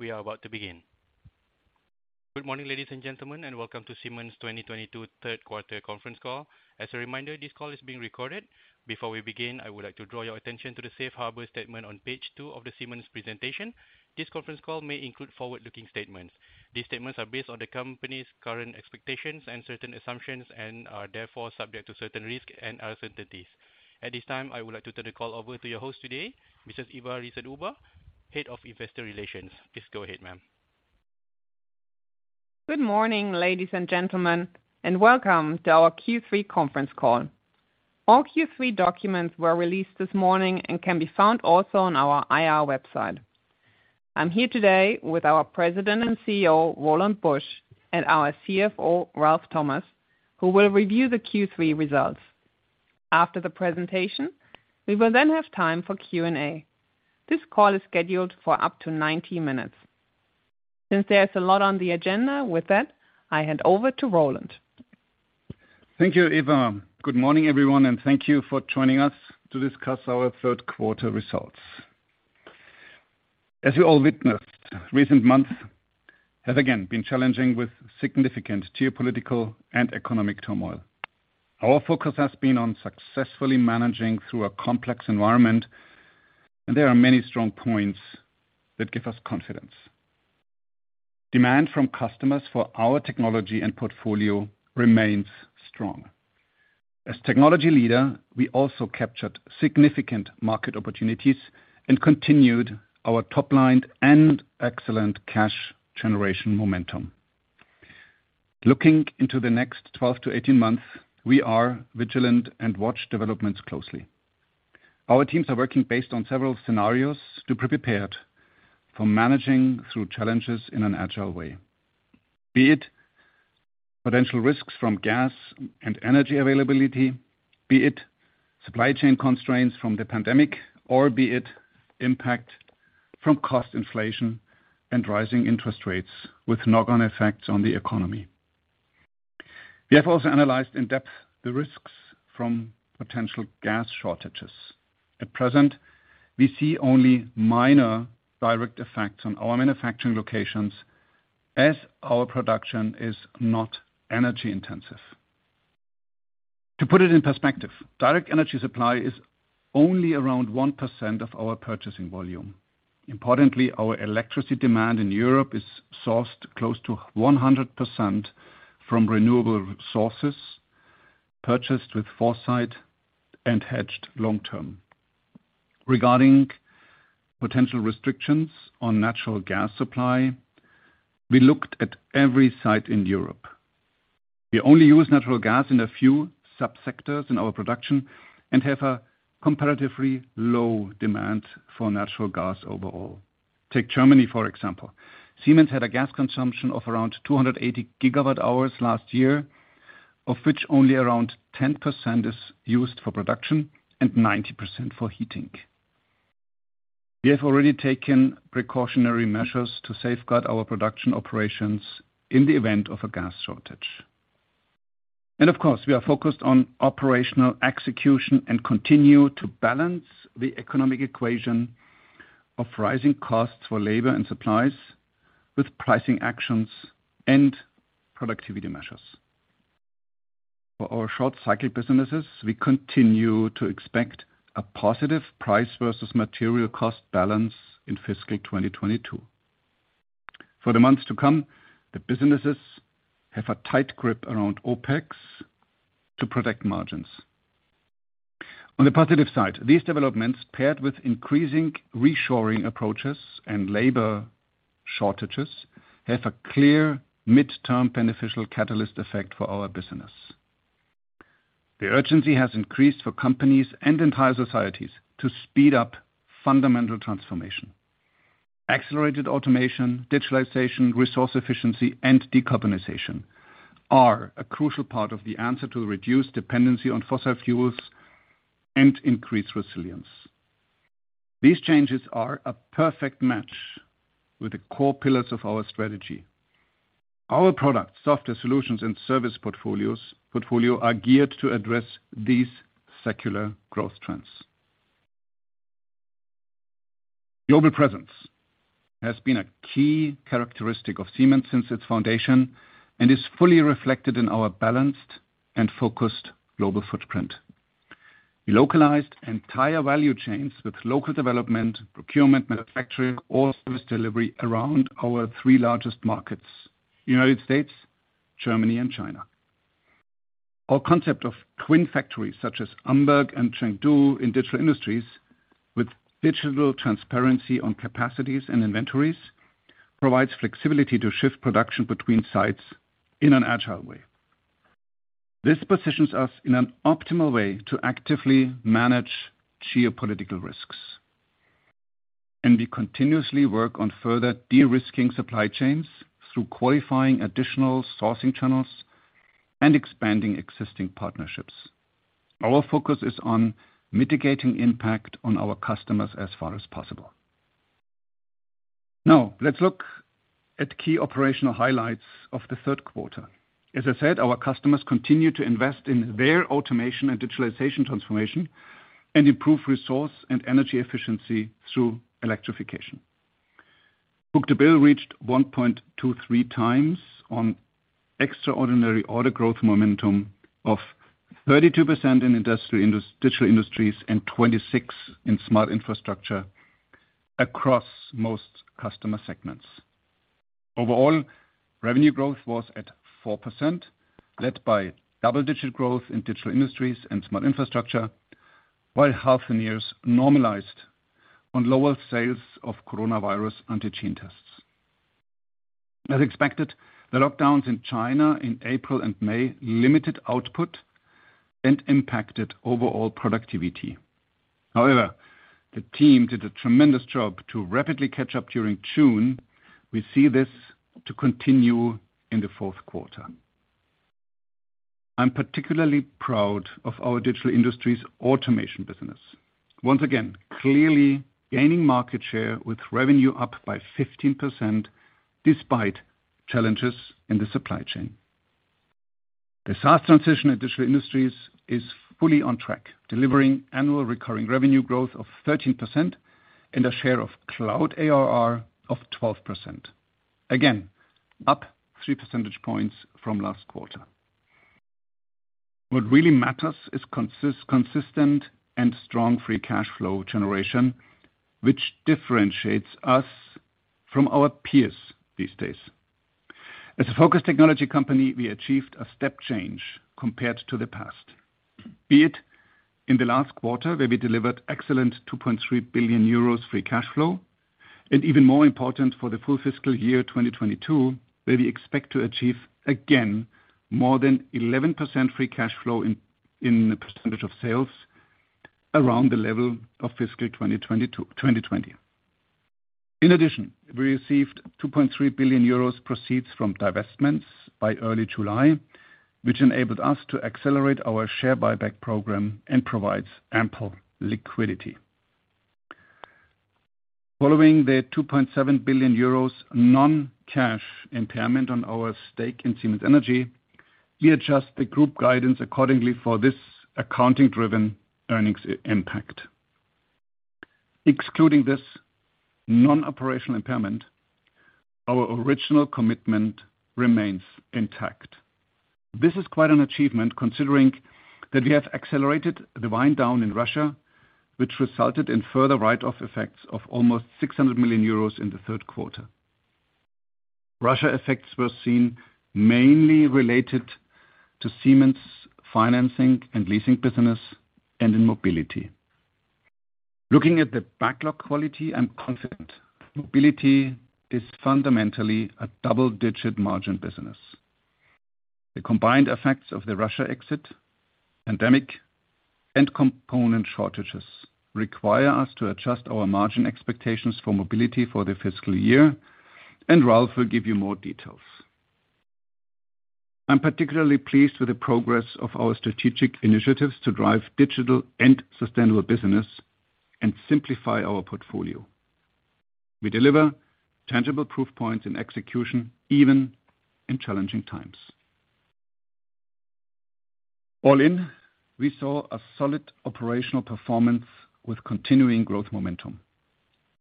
We are about to begin. Good morning, ladies and gentlemen, and welcome to Siemens' 2022 third quarter conference call. As a reminder, this call is being recorded. Before we begin, I would like to draw your attention to the safe harbor statement on page two of the Siemens presentation. This conference call may include forward-looking statements. These statements are based on the company's current expectations and certain assumptions, and are therefore subject to certain risks and uncertainties. At this time, I would like to turn the call over to your host today, Mrs. Eva Riesenhuber, Head of Investor Relations. Please go ahead, ma'am. Good morning, ladies and gentlemen, and welcome to our Q3 conference call. All Q3 documents were released this morning and can be found also on our IR website. I'm here today with our President and CEO, Roland Busch, and our CFO, Ralf P. Thomas, who will review the Q3 results. After the presentation, we will then have time for Q&A. This call is scheduled for up to 90 minutes. Since there's a lot on the agenda, with that, I hand over to Roland. Thank you, Eva. Good morning, everyone, and thank you for joining us to discuss our third quarter results. As you all witnessed, recent months have again been challenging with significant geopolitical and economic turmoil. Our focus has been on successfully managing through a complex environment, and there are many strong points that give us confidence. Demand from customers for our technology and portfolio remains strong. As technology leader, we also captured significant market opportunities and continued our top-line and excellent cash generation momentum. Looking into the next 12-18 months, we are vigilant and watch developments closely. Our teams are working based on several scenarios to be prepared for managing through challenges in an agile way. Be it potential risks from gas and energy availability, be it supply chain constraints from the pandemic, or be it impact from cost inflation and rising interest rates with knock-on effects on the economy. We have also analyzed in depth the risks from potential gas shortages. At present, we see only minor direct effects on our manufacturing locations as our production is not energy-intensive. To put it in perspective, direct energy supply is only around 1% of our purchasing volume. Importantly, our electricity demand in Europe is sourced close to 100% from renewable sources, purchased with foresight and hedged long term. Regarding potential restrictions on natural gas supply, we looked at every site in Europe. We only use natural gas in a few subsectors in our production and have a comparatively low demand for natural gas overall. Take Germany, for example. Siemens had a gas consumption of around 280 GWh last year, of which only around 10% is used for production and 90% for heating. We have already taken precautionary measures to safeguard our production operations in the event of a gas shortage. Of course, we are focused on operational execution and continue to balance the economic equation of rising costs for labor and supplies with pricing actions and productivity measures. For our short-cycle businesses, we continue to expect a positive price versus material cost balance in fiscal 2022. For the months to come, the businesses have a tight grip around OpEx to protect margins. On the positive side, these developments, paired with increasing reshoring approaches and labor shortages, have a clear midterm beneficial catalyst effect for our business. The urgency has increased for companies and entire societies to speed up fundamental transformation. Accelerated automation, digitalization, resource efficiency, and decarbonization are a crucial part of the answer to reduce dependency on fossil fuels and increase resilience. These changes are a perfect match with the core pillars of our strategy. Our product, software solutions, and service portfolio are geared to address these secular growth trends. Global presence has been a key characteristic of Siemens since its foundation and is fully reflected in our balanced and focused global footprint. We localized entire value chains with local development, procurement, manufacturing, or service delivery around our three largest markets: United States, Germany, and China. Our concept of twin factories, such as Amberg and Chengdu in Digital Industries with digital transparency on capacities and inventories, provides flexibility to shift production between sites in an agile way. This positions us in an optimal way to actively manage geopolitical risks. We continuously work on further de-risking supply chains through qualifying additional sourcing channels and expanding existing partnerships. Our focus is on mitigating impact on our customers as far as possible. Now let's look at key operational highlights of the third quarter. As I said, our customers continue to invest in their automation and digitalization transformation and improve resource and energy efficiency through electrification. Book-to-bill reached 1.23 times on extraordinary order growth momentum of 32% in industry, Digital Industries and 26% in Smart Infrastructure across most customer segments. Overall, revenue growth was at 4%, led by double-digit growth in Digital Industries and Smart Infrastructure, while Healthineers normalized on lower sales of COVID-19 antigen tests. As expected, the lockdowns in China in April and May limited output and impacted overall productivity. However, the team did a tremendous job to rapidly catch up during June. We see this to continue in the fourth quarter. I'm particularly proud of our Digital Industries automation business. Once again, clearly gaining market share with revenue up by 15% despite challenges in the supply chain. The SaaS transition in Digital Industries is fully on track, delivering annual recurring revenue growth of 13% and a share of cloud ARR of 12%. Again, up three percentage points from last quarter. What really matters is consistent and strong free cash flow generation, which differentiates us from our peers these days. As a focus technology company, we achieved a step change compared to the past. It in the last quarter, where we delivered excellent 2.3 billion euros free cash flow, and even more important for the full fiscal year 2022, where we expect to achieve again more than 11% free cash flow in the percentage of sales around the level of fiscal 2020. In addition, we received 2.3 billion euros proceeds from divestments by early July, which enabled us to accelerate our share buyback program and provides ample liquidity. Following the 2.7 billion euros non-cash impairment on our stake in Siemens Energy, we adjust the group guidance accordingly for this accounting-driven earnings impact. Excluding this non-operational impairment, our original commitment remains intact. This is quite an achievement, considering that we have accelerated the wind down in Russia, which resulted in further write-off effects of almost 600 million euros in the third quarter. Russia effects were seen mainly related to Siemens financing and leasing business and in mobility. Looking at the backlog quality, I'm confident. Mobility is fundamentally a double-digit margin business. The combined effects of the Russia exit, pandemic, and component shortages require us to adjust our margin expectations for mobility for the fiscal year, and Ralf will give you more details. I'm particularly pleased with the progress of our strategic initiatives to drive digital and sustainable business and simplify our portfolio. We deliver tangible proof points in execution, even in challenging times. All in, we saw a solid operational performance with continuing growth momentum.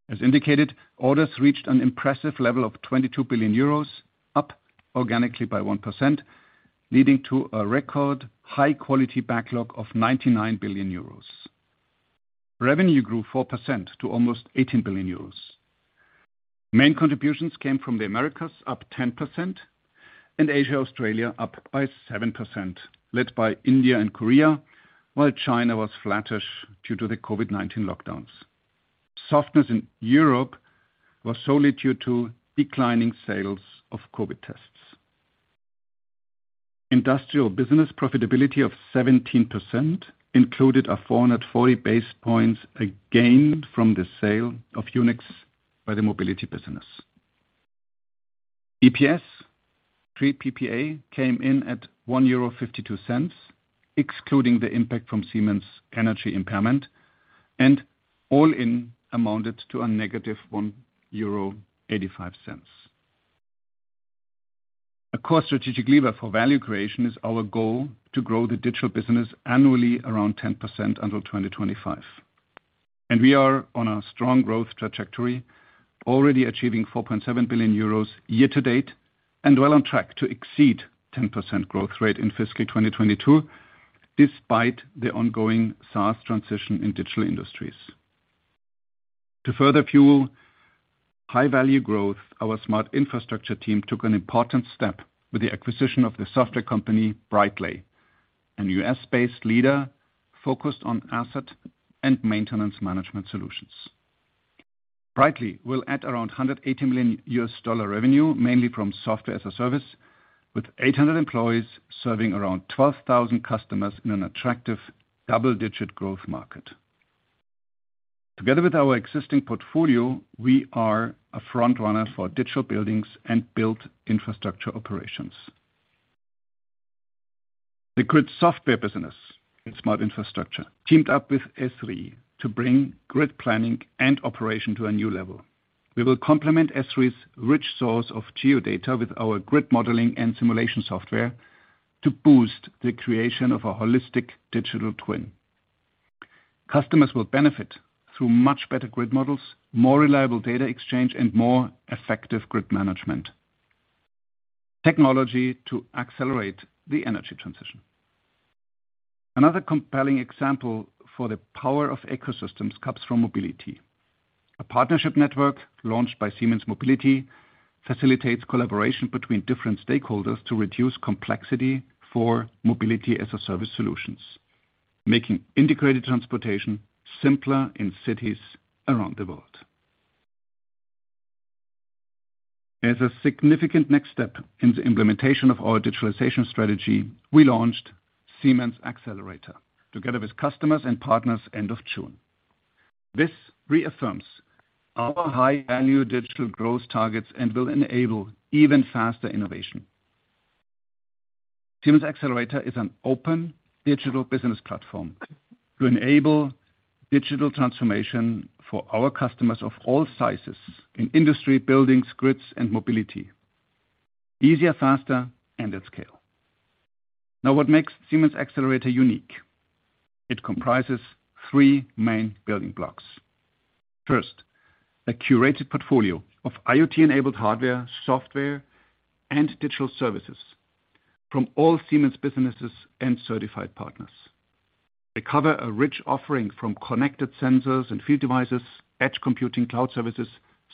As indicated, orders reached an impressive level of 22 billion euros, up organically by 1%, leading to a record high-quality backlog of 99 billion euros. Revenue grew 4% to almost 18 billion euros. Main contributions came from the Americas, up 10%, and Asia, Australia up by 7%, led by India and Korea, while China was flattish due to the COVID-19 lockdowns. Softness in Europe was solely due to declining sales of COVID tests. Industrial business profitability of 17% included a 440 basis points gained from the sale of Yunex by the Mobility business. EPS pre PPA came in at 1.52 euro, excluding the impact from Siemens Energy impairment, and all-in amounted to a negative 1.85 euro. A core strategic lever for value creation is our goal to grow the digital business annually around 10% until 2025. We are on a strong growth trajectory, already achieving 4.7 billion euros year to date and well on track to exceed 10% growth rate in fiscal 2022, despite the ongoing SaaS transition in Digital Industries. To further fuel high-value growth, our Smart Infrastructure team took an important step with the acquisition of the software company Brightly, a U.S.-based leader focused on asset and maintenance management solutions. Brightly will add around $180 million revenue, mainly from software as a service, with 800 employees serving around 12,000 customers in an attractive double-digit growth market. Together with our existing portfolio, we are a front runner for digital buildings and built infrastructure operations. The grid software business in Smart Infrastructure teamed up with Esri to bring grid planning and operation to a new level. We will complement Esri's rich source of geo data with our grid modeling and simulation software to boost the creation of a holistic digital twin. Customers will benefit through much better grid models, more reliable data exchange, and more effective grid management. Technology to accelerate the energy transition. Another compelling example for the power of ecosystems comes from mobility. A partnership network launched by Siemens Mobility facilitates collaboration between different stakeholders to reduce complexity for mobility as a service solutions, making integrated transportation simpler in cities around the world. As a significant next step in the implementation of our digitalization strategy, we launched Siemens Xcelerator together with customers and partners end of June. This reaffirms our high-value digital growth targets and will enable even faster innovation. Siemens Xcelerator is an open digital business platform to enable digital transformation for our customers of all sizes in industry, buildings, grids, and mobility easier, faster, and at scale. Now, what makes Siemens Xcelerator unique? It comprises three main building blocks. First, a curated portfolio of IoT-enabled hardware, software, and digital services from all Siemens businesses and certified partners. They cover a rich offering from connected sensors and field devices, edge computing, cloud services,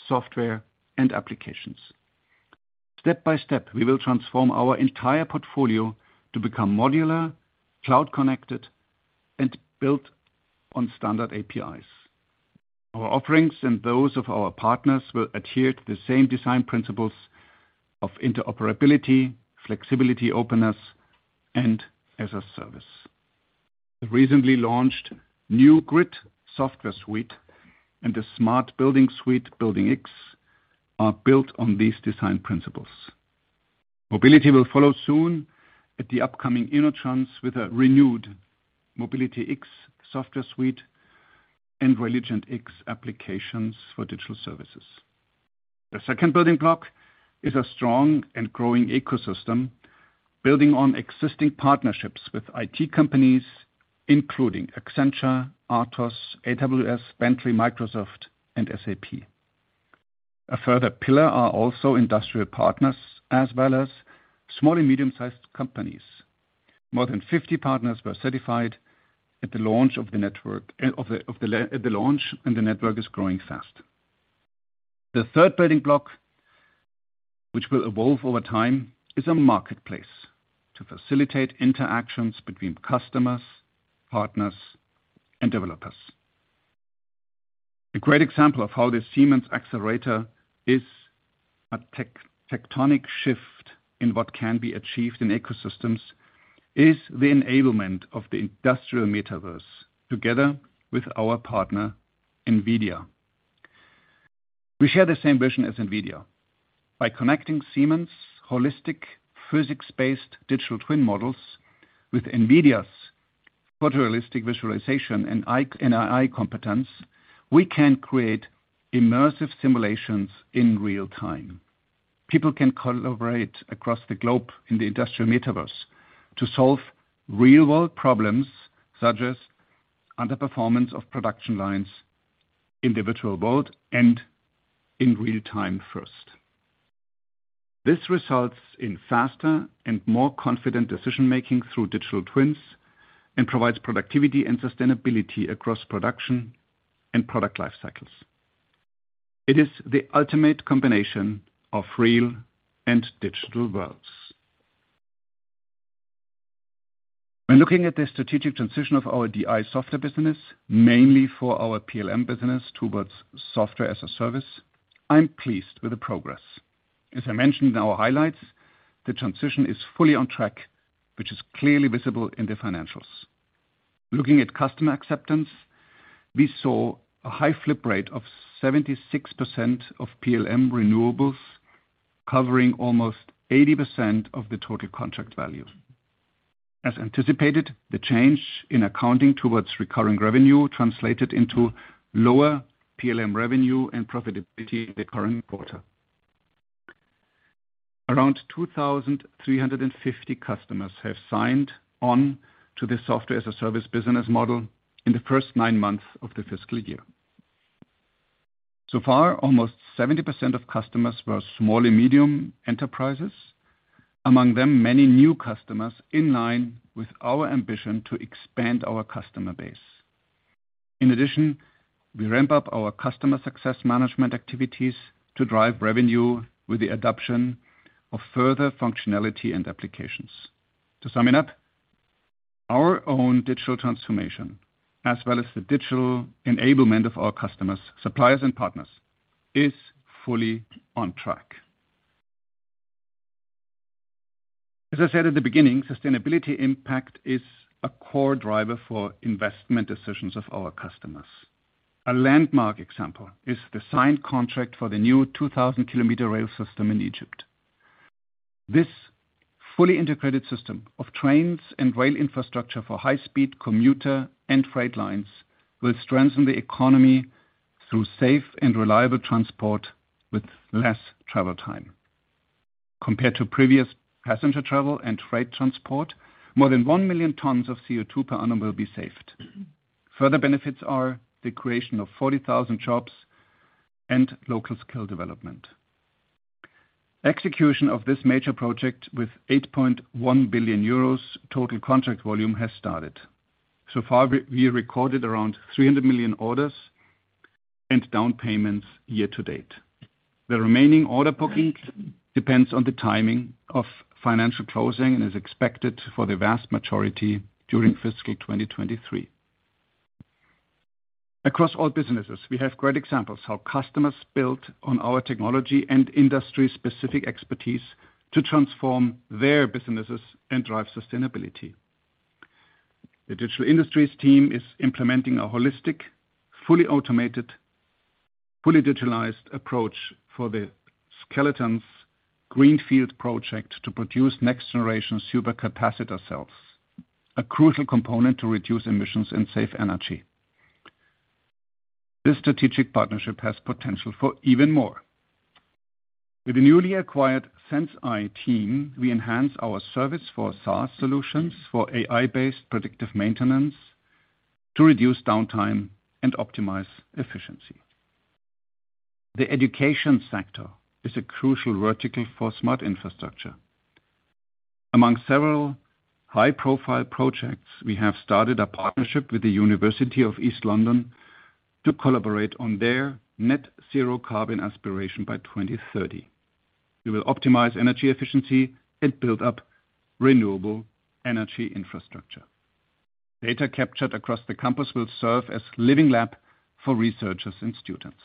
software, and applications. Step by step, we will transform our entire portfolio to become modular, cloud-connected, and built on standard APIs. Our offerings and those of our partners will adhere to the same design principles of interoperability, flexibility, openness, and as a service. The recently launched new Grid software suite and the smart building suite, Building X, are built on these design principles. Mobility will follow soon at the upcoming InnoTrans with a renewed Mobility Software Suite X and Railigent X applications for digital services. The second building block is a strong and growing ecosystem, building on existing partnerships with IT companies, including Accenture, Atos, AWS, Bentley, Microsoft, and SAP. A further pillar are also industrial partners, as well as small and medium-sized companies. More than 50 partners were certified at the launch of the network, and the network is growing fast. The third building block, which will evolve over time, is a marketplace to facilitate interactions between customers, partners, and developers. A great example of how the Siemens Xcelerator is a tectonic shift in what can be achieved in ecosystems is the enablement of the industrial metaverse together with our partner, NVIDIA. We share the same vision as NVIDIA. By connecting Siemens' holistic physics-based digital twin models with NVIDIA's photorealistic visualization and AI competence, we can create immersive simulations in real-time. People can collaborate across the globe in the industrial metaverse to solve real-world problems, such as underperformance of production lines in the virtual world and in real-time first. This results in faster and more confident decision-making through digital twins and provides productivity and sustainability across production and product life cycles. It is the ultimate combination of real and digital worlds. When looking at the strategic transition of our DI software business, mainly for our PLM business towards software as a service, I'm pleased with the progress. As I mentioned in our highlights, the transition is fully on track, which is clearly visible in the financials. Looking at customer acceptance, we saw a high flip rate of 76% of PLM renewals, covering almost 80% of the total contract value. As anticipated, the change in accounting towards recurring revenue translated into lower PLM revenue and profitability in the current quarter. Around 2,350 customers have signed on to the software-as-a-service business model in the first nine months of the fiscal year. So far, almost 70% of customers were small and medium enterprises. Among them, many new customers in line with our ambition to expand our customer base. In addition, we ramp up our customer success management activities to drive revenue with the adoption of further functionality and applications. To sum it up, our own digital transformation, as well as the digital enablement of our customers, suppliers, and partners, is fully on track. As I said at the beginning, sustainability impact is a core driver for investment decisions of our customers. A landmark example is the signed contract for the new 2,000-kilometer rail system in Egypt. This fully integrated system of trains and rail infrastructure for high-speed commuter and freight lines will strengthen the economy through safe and reliable transport with less travel time. Compared to previous passenger travel and freight transport, more than 1 million tons of CO₂ per annum will be saved. Further benefits are the creation of 40,000 jobs and local skill development. Execution of this major project with 8.1 billion euros total contract volume has started. So far, we recorded around 300 million orders and down payments year to date. The remaining order bookings depends on the timing of financial closing and is expected for the vast majority during fiscal 2023. Across all businesses, we have great examples how customers built on our technology and industry-specific expertise to transform their businesses and drive sustainability. The Digital Industries team is implementing a holistic, fully automated, fully digitalized approach for the Skeleton's Greenfield project to produce next-generation supercapacitor cells, a crucial component to reduce emissions and save energy. This strategic partnership has potential for even more. With the newly acquired Senseye team, we enhance our service for SaaS solutions for AI-based predictive maintenance to reduce downtime and optimize efficiency. The education sector is a crucial vertical for Smart Infrastructure. Among several high-profile projects, we have started a partnership with the University of East London to collaborate on their net-zero carbon aspiration by 2030. We will optimize energy efficiency and build up renewable energy infrastructure. Data captured across the campus will serve as living lab for researchers and students.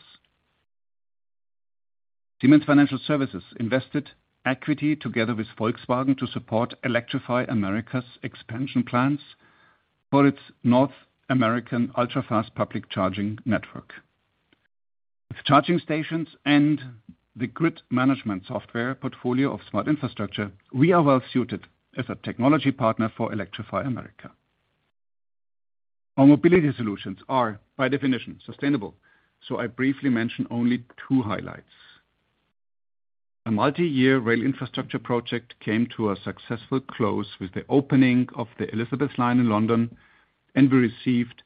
Siemens Financial Services invested equity together with Volkswagen to support Electrify America's expansion plans for its North American ultra-fast public charging network. With charging stations and the grid management software portfolio of Smart Infrastructure, we are well suited as a technology partner for Electrify America. Our mobility solutions are, by definition, sustainable, so I briefly mention only two highlights. A multi-year rail infrastructure project came to a successful close with the opening of the Elizabeth line in London, and we received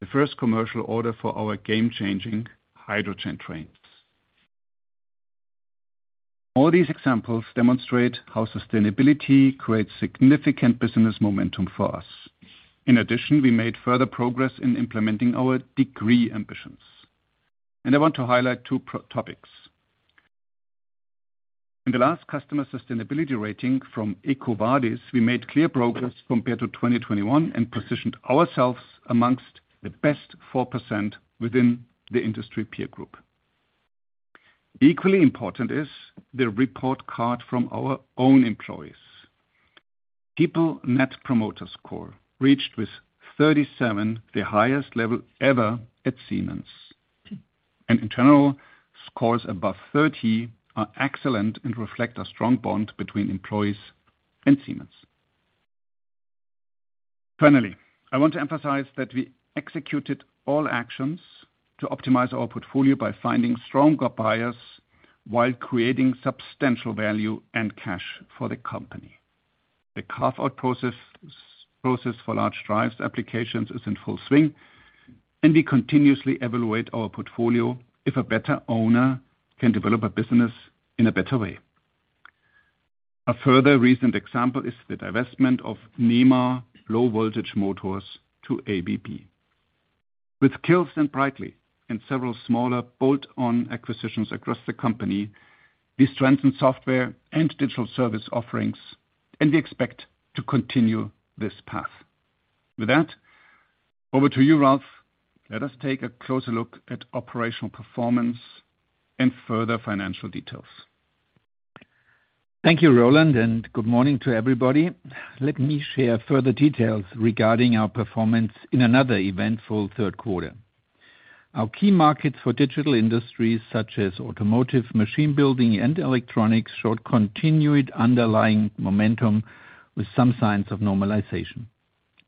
the first commercial order for our game-changing hydrogen trains. All these examples demonstrate how sustainability creates significant business momentum for us. In addition, we made further progress in implementing our strategic ambitions. I want to highlight two priority topics. In the last customer sustainability rating from EcoVadis, we made clear progress compared to 2021 and positioned ourselves among the best 4% within the industry peer group. Equally important is the report card from our own employees. People Net Promoter Score reached 37, the highest level ever at Siemens. In general, scores above 30 are excellent and reflect a strong bond between employees and Siemens. Finally, I want to emphasize that we executed all actions to optimize our portfolio by finding stronger buyers while creating substantial value and cash for the company. The carve-out process for large drives applications is in full swing, and we continuously evaluate our portfolio if a better owner can develop a business in a better way. A further recent example is the divestment of NEMA low voltage motors to ABB. With Sqills and Brightly and several smaller bolt-on acquisitions across the company, we strengthen software and digital service offerings, and we expect to continue this path. With that, over to you, Ralf. Let us take a closer look at operational performance and further financial details. Thank you, Roland, and good morning to everybody. Let me share further details regarding our performance in another eventful third quarter. Our key markets for Digital Industries such as automotive, machine building, and electronics showed continued underlying momentum with some signs of normalization.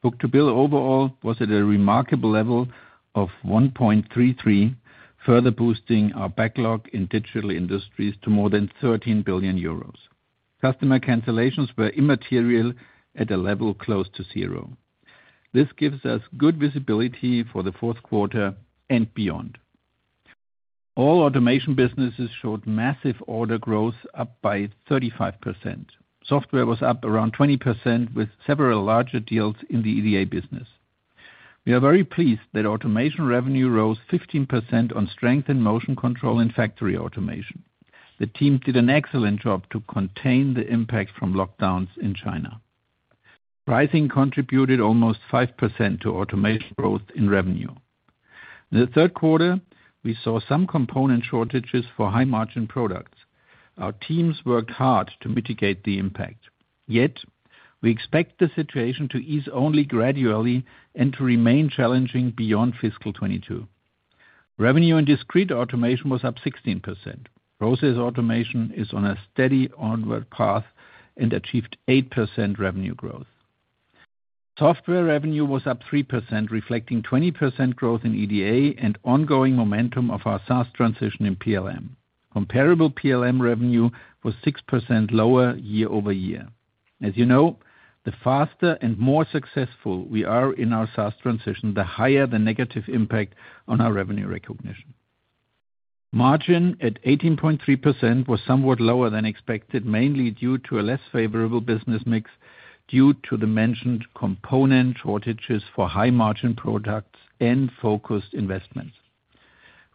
Book-to-bill overall was at a remarkable level of 1.33, further boosting our backlog in Digital Industries to more than 13 billion euros. Customer cancellations were immaterial at a level close to zero. This gives us good visibility for the fourth quarter and beyond. All automation businesses showed massive order growth up by 35%. Software was up around 20% with several larger deals in the EDA business. We are very pleased that automation revenue rose 15% on strength in motion control in factory automation. The team did an excellent job to contain the impact from lockdowns in China. Pricing contributed almost 5% to automation growth in revenue. In the third quarter, we saw some component shortages for high-margin products. Our teams worked hard to mitigate the impact, yet we expect the situation to ease only gradually and to remain challenging beyond fiscal 2022. Revenue in discrete automation was up 16%. Process automation is on a steady onward path and achieved 8% revenue growth. Software revenue was up 3%, reflecting 20% growth in EDA and ongoing momentum of our SaaS transition in PLM. Comparable PLM revenue was 6% lower year over year. As you know, the faster and more successful we are in our SaaS transition, the higher the negative impact on our revenue recognition. Margin at 18.3% was somewhat lower than expected, mainly due to a less favorable business mix due to the mentioned component shortages for high margin products and focused investments.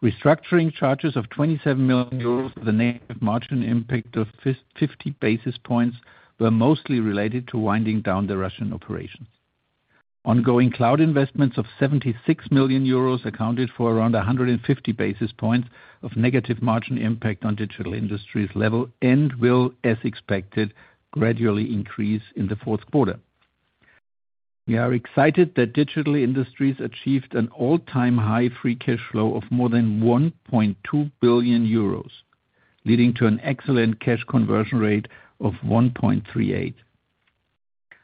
Restructuring charges of 27 million euros with a negative margin impact of 50 basis points were mostly related to winding down the Russian operations. Ongoing cloud investments of 76 million euros accounted for around 150 basis points of negative margin impact on Digital Industries level and will, as expected, gradually increase in the fourth quarter. We are excited that Digital Industries achieved an all-time high free cash flow of more than 1.2 billion euros, leading to an excellent cash conversion rate of 1.38.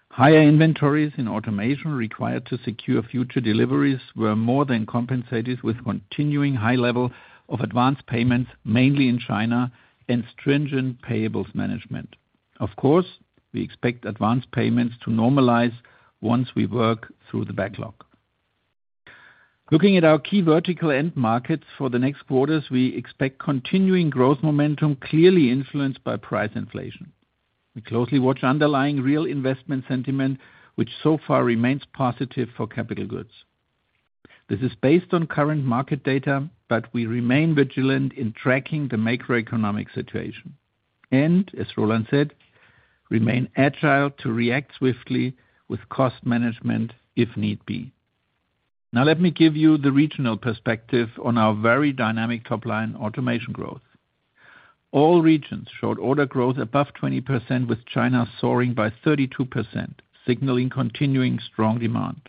Higher inventories in automation required to secure future deliveries were more than compensated with continuing high level of advanced payments, mainly in China and stringent payables management. Of course, we expect advanced payments to normalize once we work through the backlog. Looking at our key vertical end markets for the next quarters, we expect continuing growth momentum clearly influenced by price inflation. We closely watch underlying real investment sentiment, which so far remains positive for capital goods. This is based on current market data, but we remain vigilant in tracking the macroeconomic situation and, as Roland said, remain agile to react swiftly with cost management if need be. Now let me give you the regional perspective on our very dynamic top line automation growth. All regions showed order growth above 20%, with China soaring by 32%, signaling continuing strong demand.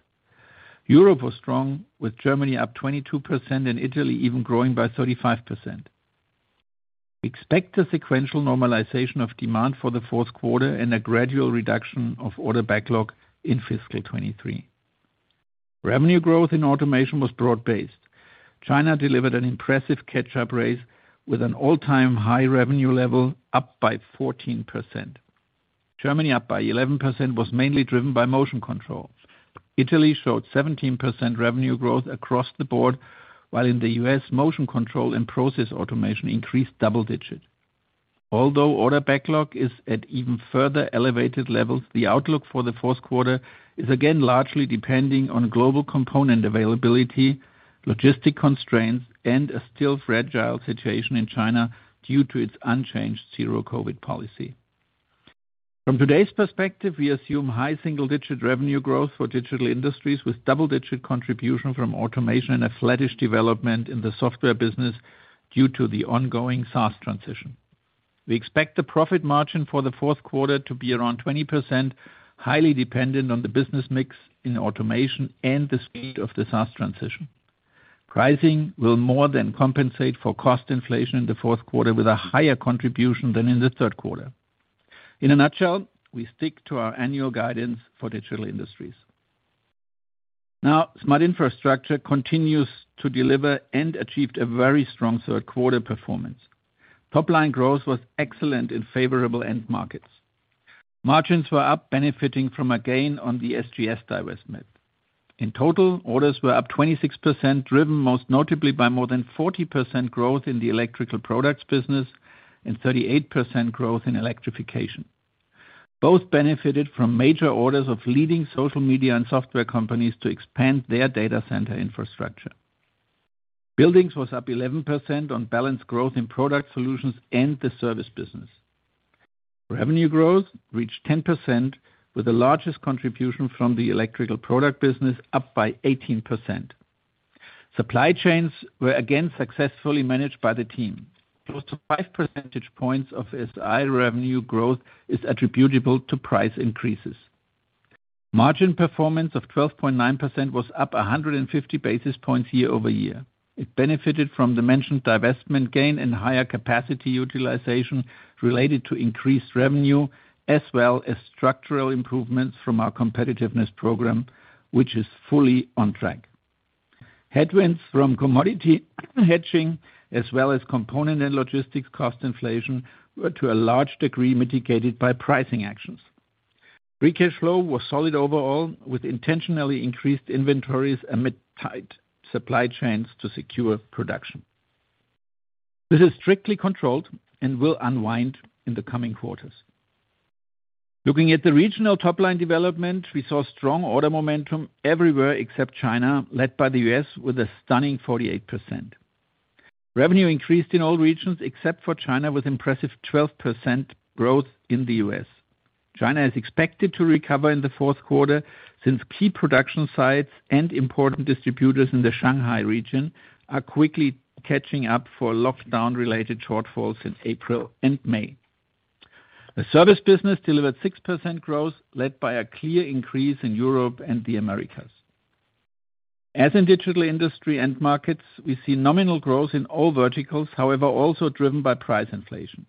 Europe was strong, with Germany up 22% and Italy even growing by 35%. Expect a sequential normalization of demand for the fourth quarter and a gradual reduction of order backlog in fiscal 2023. Revenue growth in automation was broad-based. China delivered an impressive catch-up race with an all-time high revenue level up by 14%. Germany, up by 11%, was mainly driven by motion controls. Italy showed 17% revenue growth across the board, while in the U.S., motion control and process automation increased double digits. Although order backlog is at even further elevated levels, the outlook for the fourth quarter is again largely depending on global component availability, logistic constraints, and a still fragile situation in China due to its unchanged zero-COVID policy. From today's perspective, we assume high single-digit revenue growth for Digital Industries with double-digit contribution from automation and a flattish development in the software business due to the ongoing SaaS transition. We expect the profit margin for the fourth quarter to be around 20%, highly dependent on the business mix in automation and the speed of the SaaS transition. Pricing will more than compensate for cost inflation in the fourth quarter with a higher contribution than in the third quarter. In a nutshell, we stick to our annual guidance for Digital Industries. Smart Infrastructure continues to deliver and achieved a very strong third quarter performance. Top line growth was excellent in favorable end markets. Margins were up, benefiting from a gain on the SGS divestment. In total, orders were up 26%, driven most notably by more than 40% growth in the electrical products business and 38% growth in electrification. Both benefited from major orders of leading social media and software companies to expand their data center infrastructure. Buildings was up 11% on balanced growth in product solutions and the service business. Revenue growth reached 10% with the largest contribution from the electrical product business up by 18%. Supply chains were again successfully managed by the team. Close to 5 percentage points of SI revenue growth is attributable to price increases. Margin performance of 12.9% was up 150 basis points year-over-year. It benefited from the mentioned divestment gain and higher capacity utilization related to increased revenue, as well as structural improvements from our competitiveness program, which is fully on track. Headwinds from commodity hedging as well as component and logistics cost inflation were to a large degree mitigated by pricing actions. Free cash flow was solid overall, with intentionally increased inventories amid tight supply chains to secure production. This is strictly controlled and will unwind in the coming quarters. Looking at the regional top-line development, we saw strong order momentum everywhere except China, led by the U.S. with a stunning 48%. Revenue increased in all regions except for China, with impressive 12% growth in the U.S. China is expected to recover in the fourth quarter, since key production sites and important distributors in the Shanghai region are quickly catching up for lockdown-related shortfalls since April and May. The service business delivered 6% growth, led by a clear increase in Europe and the Americas. As in Digital Industries end markets, we see nominal growth in all verticals, however, also driven by price inflation.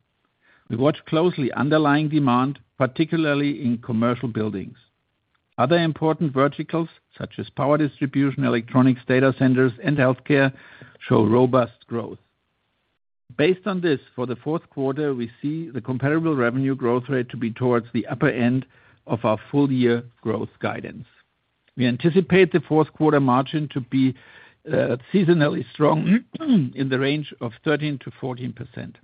We watch closely underlying demand, particularly in commercial buildings. Other important verticals such as power distribution, electronics, data centers, and healthcare show robust growth. Based on this, for the fourth quarter, we see the comparable revenue growth rate to be towards the upper end of our full year growth guidance. We anticipate the fourth quarter margin to be seasonally strong in the range of 13%-14%.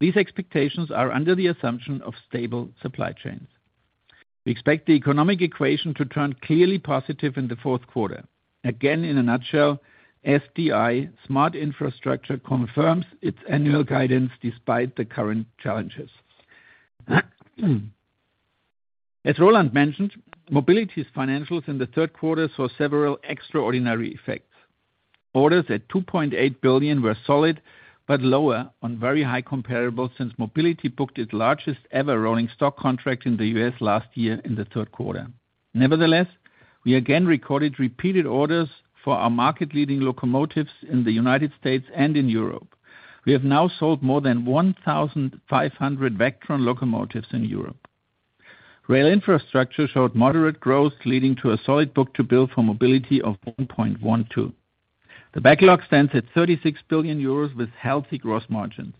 These expectations are under the assumption of stable supply chains. We expect the economic equation to turn clearly positive in the fourth quarter. Again, in a nutshell, SI Smart Infrastructure confirms its annual guidance despite the current challenges. As Roland mentioned, Mobility's financials in the third quarter saw several extraordinary effects. Orders at 2.8 billion were solid but lower on very high comparables, since Mobility booked its largest ever rolling stock contract in the U.S. last year in the third quarter. Nevertheless, we again recorded repeated orders for our market-leading locomotives in the United States and in Europe. We have now sold more than 1,500 Vectron locomotives in Europe. Rail infrastructure showed moderate growth, leading to a solid book-to-bill for Mobility of 1.12. The backlog stands at 36 billion euros with healthy gross margins,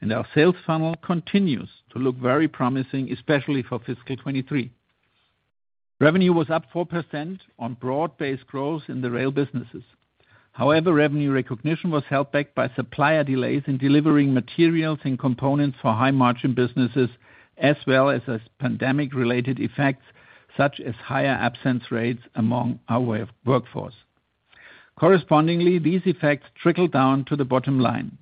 and our sales funnel continues to look very promising, especially for fiscal 2023. Revenue was up 4% on broad-based growth in the rail businesses. However, revenue recognition was held back by supplier delays in delivering materials and components for high margin businesses, as well as pandemic-related effects, such as higher absence rates among our workforce. Correspondingly, these effects trickled down to the bottom line.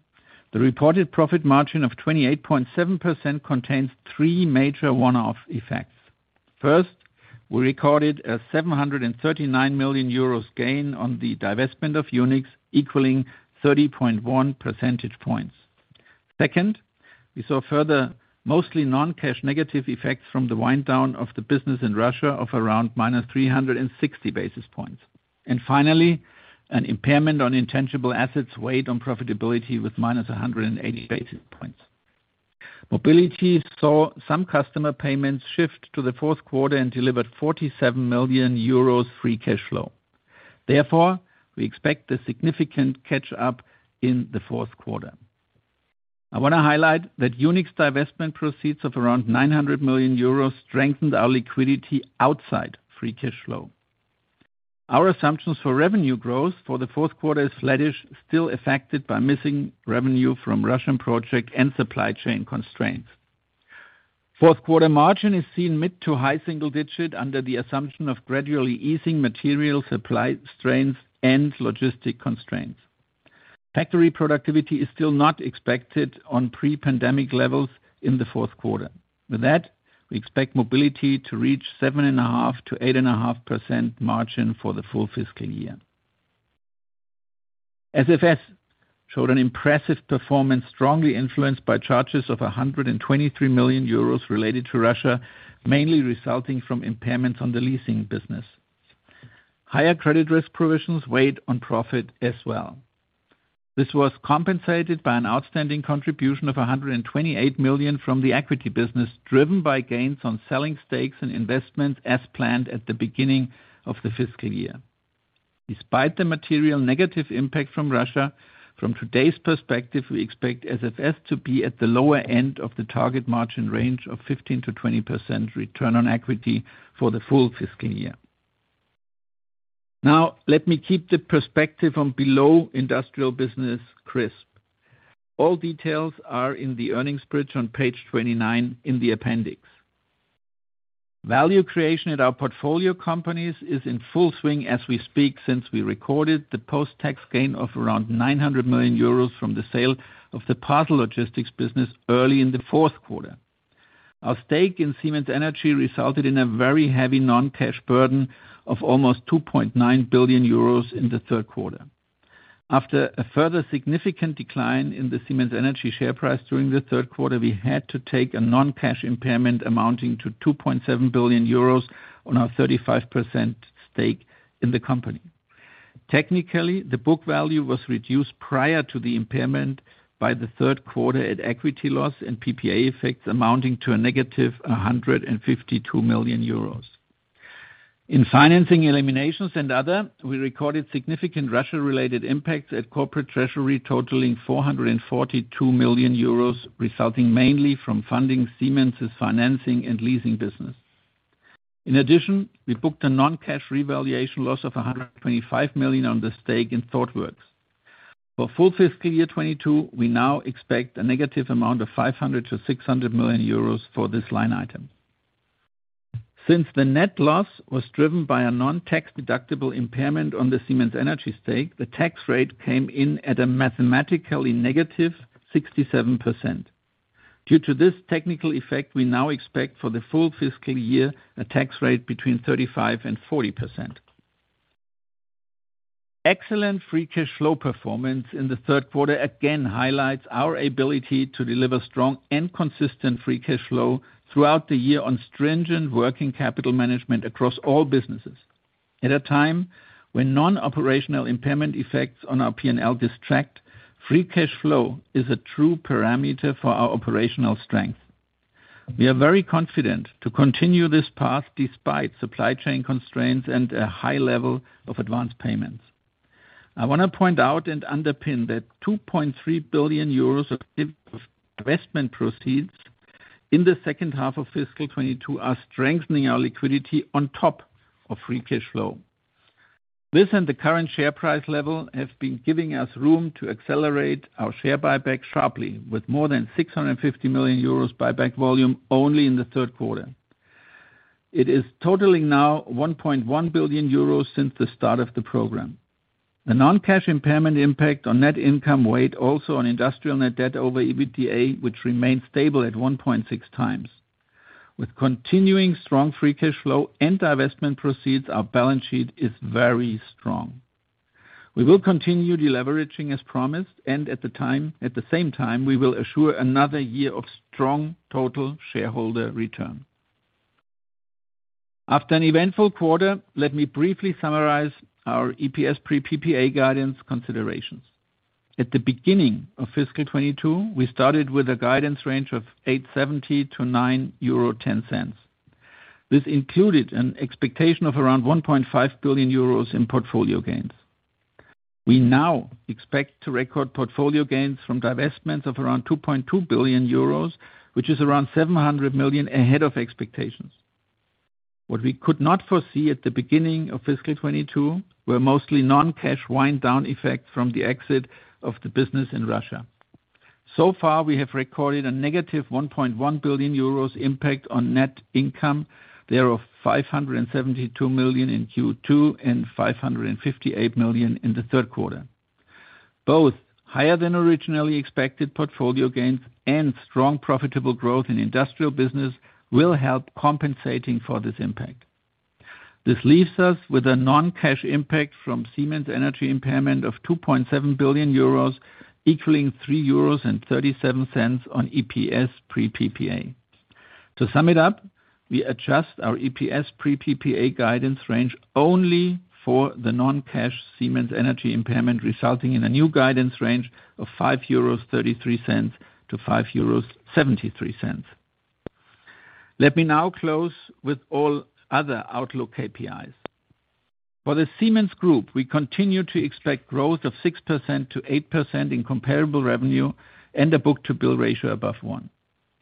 The reported profit margin of 28.7% contains three major one-off effects. First, we recorded a 739 million euros gain on the divestment of Yunex, equaling 30.1 percentage points. Second, we saw further mostly non-cash negative effects from the wind down of the business in Russia of around -360 basis points. Finally, an impairment on intangible assets weighed on profitability with -180 basis points. Mobility saw some customer payments shift to the fourth quarter and delivered 47 million euros free cash flow. Therefore, we expect a significant catch up in the fourth quarter. I wanna highlight that Yunex divestment proceeds of around 900 million euros strengthened our liquidity outside free cash flow. Our assumptions for revenue growth for the fourth quarter is flattish, still affected by missing revenue from Russian project and supply chain constraints. Fourth quarter margin is seen mid- to high-single-digit % under the assumption of gradually easing material supply strains and logistic constraints. Factory productivity is still not expected on pre-pandemic levels in the fourth quarter. With that, we expect Mobility to reach 7.5%-8.5% margin for the full fiscal year. SFS showed an impressive performance, strongly influenced by charges of 123 million euros related to Russia, mainly resulting from impairments on the leasing business. Higher credit risk provisions weighed on profit as well. This was compensated by an outstanding contribution of 128 million from the equity business, driven by gains on selling stakes and investments as planned at the beginning of the fiscal year. Despite the material negative impact from Russia, from today's perspective, we expect SFS to be at the lower end of the target margin range of 15%-20% return on equity for the full fiscal year. Now, let me keep the perspective on below industrial business crisp. All details are in the earnings bridge on page 29 in the appendix. Value creation at our portfolio companies is in full swing as we speak since we recorded the post-tax gain of around 900 million euros from the sale of the parcel logistics business early in the fourth quarter. Our stake in Siemens Energy resulted in a very heavy non-cash burden of almost 2.9 billion euros in the third quarter. After a further significant decline in the Siemens Energy share price during the third quarter, we had to take a non-cash impairment amounting to 2.7 billion euros on our 35% stake in the company. Technically, the book value was reduced prior to the impairment by the third quarter at equity loss and PPA effects amounting to a negative 152 million euros. In financing eliminations and other, we recorded significant Russia-related impacts at corporate treasury totaling 442 million euros, resulting mainly from funding Siemens' financing and leasing business. In addition, we booked a non-cash revaluation loss of 125 million on the stake in Thoughtworks. For full fiscal year 2022, we now expect a negative amount of 500 million-600 million euros for this line item. Since the net loss was driven by a non-tax deductible impairment on the Siemens Energy stake, the tax rate came in at a mathematically negative 67%. Due to this technical effect, we now expect for the full fiscal year a tax rate between 35% and 40%. Excellent free cash flow performance in the third quarter again highlights our ability to deliver strong and consistent free cash flow throughout the year on stringent working capital management across all businesses. At a time when non-operational impairment effects on our P&L distract, free cash flow is a true parameter for our operational strength. We are very confident to continue this path despite supply chain constraints and a high level of advance payments. I want to point out and underpin that 2.3 billion euros of investment proceeds in the second half of fiscal 2022 are strengthening our liquidity on top of free cash flow. This and the current share price level have been giving us room to accelerate our share buyback sharply with more than 650 million euros buyback volume only in the third quarter. It is totaling now 1.1 billion euros since the start of the program. The non-cash impairment impact on net income weighed also on industrial net debt over EBITDA, which remains stable at 1.6 times. With continuing strong free cash flow and divestment proceeds, our balance sheet is very strong. We will continue deleveraging as promised, and at the same time, we will assure another year of strong total shareholder return. After an eventful quarter, let me briefly summarize our EPS pre PPA guidance considerations. At the beginning of fiscal 2022, we started with a guidance range of €8.70-€9.10. This included an expectation of around 1.5 billion euros in portfolio gains. We now expect to record portfolio gains from divestments of around 2.2 billion euros, which is around 700 million ahead of expectations. What we could not foresee at the beginning of fiscal 2022 were mostly non-cash wind down effects from the exit of the business in Russia. Far, we have recorded a negative 1.1 billion euros impact on net income. There are 572 million in Q2 and 558 million in the third quarter. Both higher than originally expected portfolio gains and strong profitable growth in industrial business will help compensating for this impact. This leaves us with a non-cash impact from Siemens Energy impairment of 2.7 billion euros, equaling 3.37 euros on EPS pre PPA. To sum it up, we adjust our EPS pre PPA guidance range only for the non-cash Siemens Energy impairment, resulting in a new guidance range of 5.33-5.73 euros. Let me now close with all other outlook KPIs. For the Siemens Group, we continue to expect growth of 6%-8% in comparable revenue and a book-to-bill ratio above 1.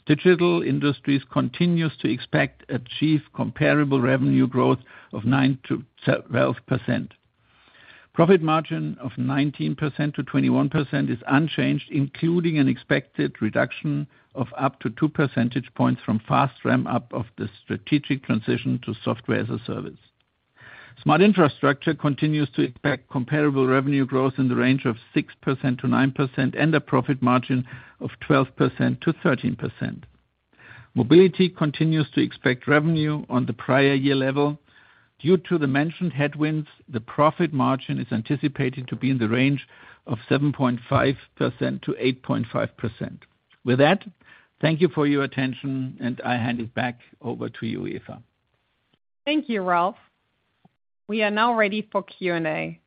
Digital Industries continues to expect to achieve comparable revenue growth of 9%-12%. Profit margin of 19%-21% is unchanged, including an expected reduction of up to two percentage points from fast ramp up of the strategic transition to software as a service. Smart Infrastructure continues to expect comparable revenue growth in the range of 6%-9% and a profit margin of 12%-13%. Mobility continues to expect revenue on the prior year level. Due to the mentioned headwinds, the profit margin is anticipated to be in the range of 7.5%-8.5%. With that, thank you for your attention, and I hand it back over to you, Eva. Thank you, Ralf. We are now ready for Q&A.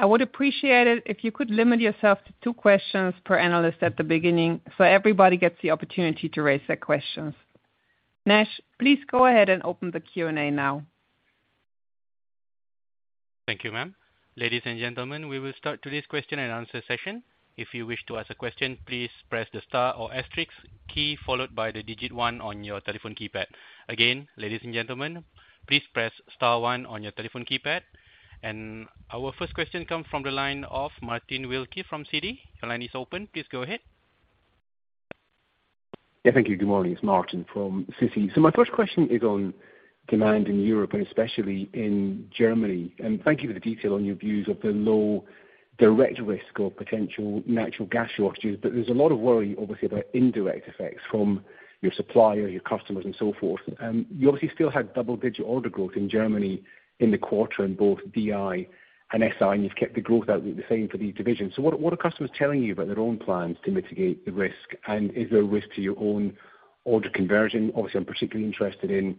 I would appreciate it if you could limit yourself to two questions per analyst at the beginning so everybody gets the opportunity to raise their questions.lease go ahead and open the Q&A now. Thank you, ma'am. Ladies and gentlemen, we will start today's question and answer session. If you wish to ask a question, please press the star or asterisk key followed by the digit one on your telephone keypad. Again, ladies and gentlemen, please press star one on your telephone keypad. Our first question comes from the line ofEUR 8.1 billionEUR 8.1 billion Your line is open. Please go ahead. Yeah, thank you. Good morning. It's Martin from Citi. My first question is on demand in Europe and especially in Germany. Thank you for the detail on your views of the low direct risk or potential natural gas shortages. There's a lot of worry, obviously, about indirect effects from your supplier, your customers and so forth. You obviously still had double-digit order growth in Germany in the quarter in both DI and SI, and you've kept the growth outlook the same for these divisions. What are customers telling you about their own plans to mitigate the risk? Is there a risk to your own order conversion? Obviously, I'm particularly interested in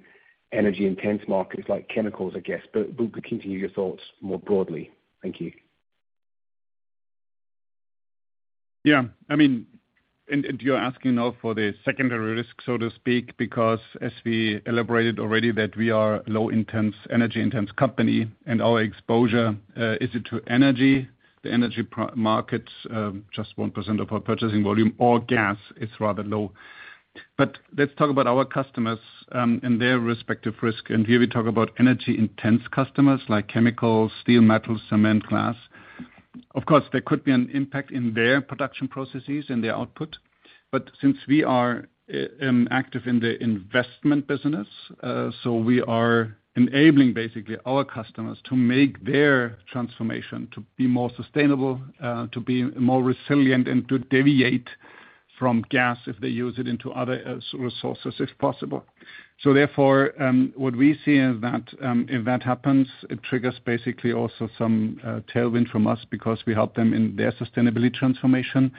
energy-intensive markets like chemicals, I guess. We'd be keen to hear your thoughts more broadly. Thank you. Yeah. I mean, you're asking now for the secondary risk, so to speak, because as we elaborated already that we are low energy-intensive company and our exposure is to energy. The energy markets, just 1% of our purchasing volume of gas is rather low. But let's talk about our customers and their respective risk. Here we talk about energy-intensive customers like chemicals, steel, metal, cement, glass. Of course, there could be an impact in their production processes and their output, but since we are active in the investment business, so we are enabling basically our customers to make their transformation to be more sustainable, to be more resilient, and to deviate from gas if they use it into other resources if possible. Therefore, what we see is that, if that happens, it triggers basically also some tailwind from us because we help them in their sustainability transformation,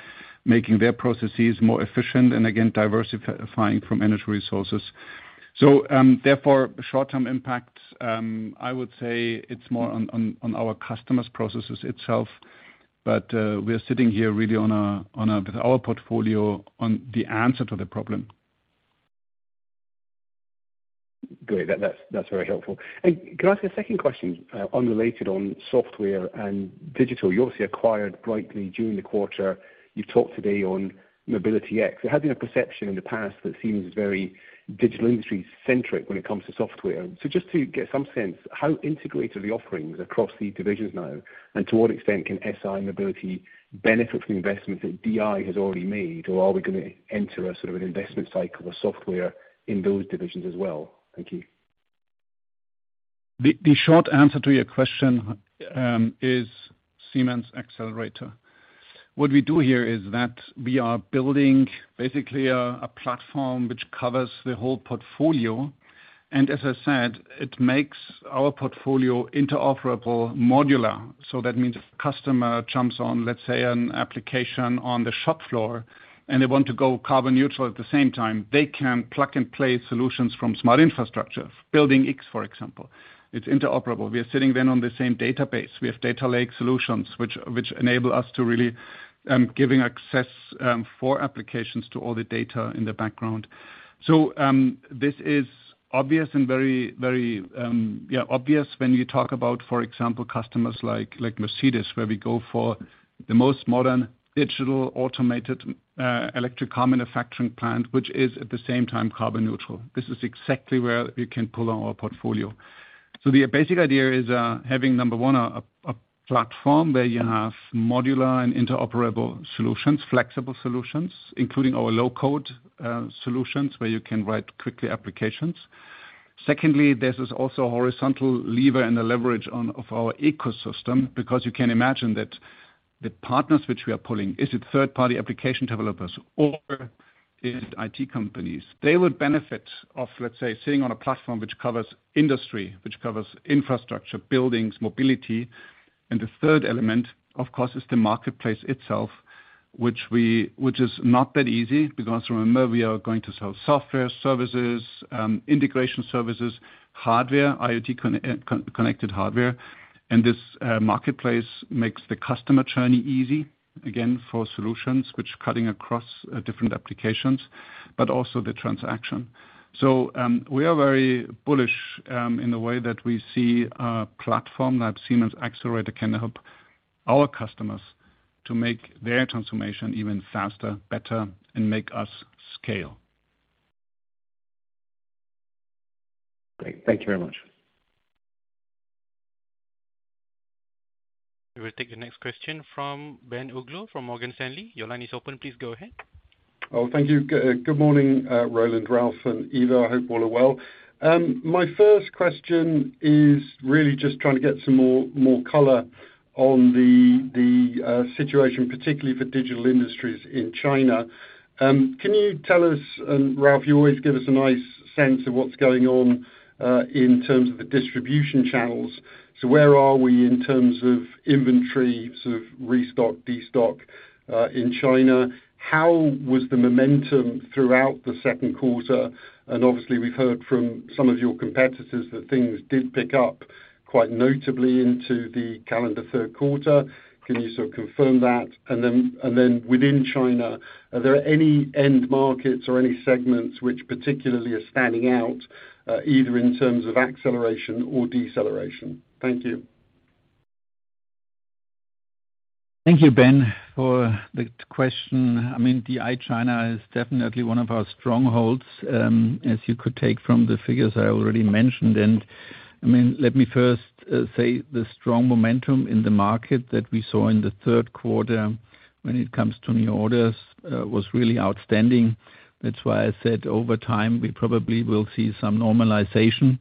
making their processes more efficient and again, diversifying from energy resources. Therefore, short-term impact, I would say it's more on our customers' processes itself. We are sitting here really with our portfolio on the answer to the problem. Great. That's very helpful. Can I ask a second question, unrelated to software and digital? You obviously acquired Brightly during the quarter. You've talked today on Mobility Software Suite X The short answer to your question is Siemens Xcelerator. What we do here is that we are building basically a platform which covers the whole portfolio. As I said, it makes our portfolio interoperable modular. That means if a customer jumps on, let's say, an application on the shop floor, and they want to go carbon neutral at the same time, they can plug and play solutions from Smart Infrastructure. Building X, for example. It's interoperable. We are sitting then on the same database. We have data lake solutions which enable us to really giving access for applications to all the data in the background. This is obvious and very obvious when you talk about, for example, customers like Mercedes, where we go for the most modern digital automated electric car manufacturing plant, which is at the same time carbon neutral. This is exactly where we can pull on our portfolio. The basic idea is having, number 1, a platform where you have modular and interoperable solutions, flexible solutions, including our low-code solutions where you can write quickly applications. Secondly, this is also a horizontal lever and a leverage of our ecosystem because you can imagine that the partners which we are pulling, is it third-party application developers or is it IT companies. They would benefit of, let's say, sitting on a platform which covers industry, which covers infrastructure, buildings, mobility. The third element, of course, is the marketplace itself, which is not that easy because remember, we are going to sell software services, integration services, hardware, IoT connected hardware. This marketplace makes the customer journey easy, again, for solutions which cutting across different applications, but also the transaction. We are very bullish in the way that we see our platform that Siemens Xcelerator can help our customers to make their transformation even faster, better, and make us scale. Great. Thank you very much. We will take the next question from Ben Uglowe Thank you. Good morning, Roland, Ralph, and Eva. I hope all are well. My first question is really just trying to get some more color on the situation, particularly for Digital Industries in China. Can you tell us, and Ralf, you always give us a nice sense of what's going on in terms of the distribution channels. Where are we in terms of inventory, sort of restock, de-stock in China? How was the momentum throughout the second quarter? Obviously, we've heard from some of your competitors that things did pick up quite notably into the calendar third quarter. Can you sort of confirm that? Then within China, are there any end markets or any segments which particularly are standing out, either in terms of acceleration or deceleration? Thank you. Thank you, Ben, for the question. I mean, DI China is definitely one of our strongholds, as you could take from the figures I already mentioned. I mean, let me first say the strong momentum in the market that we saw in the third quarter when it comes to new orders was really outstanding. That's why I said over time, we probably will see some normalization.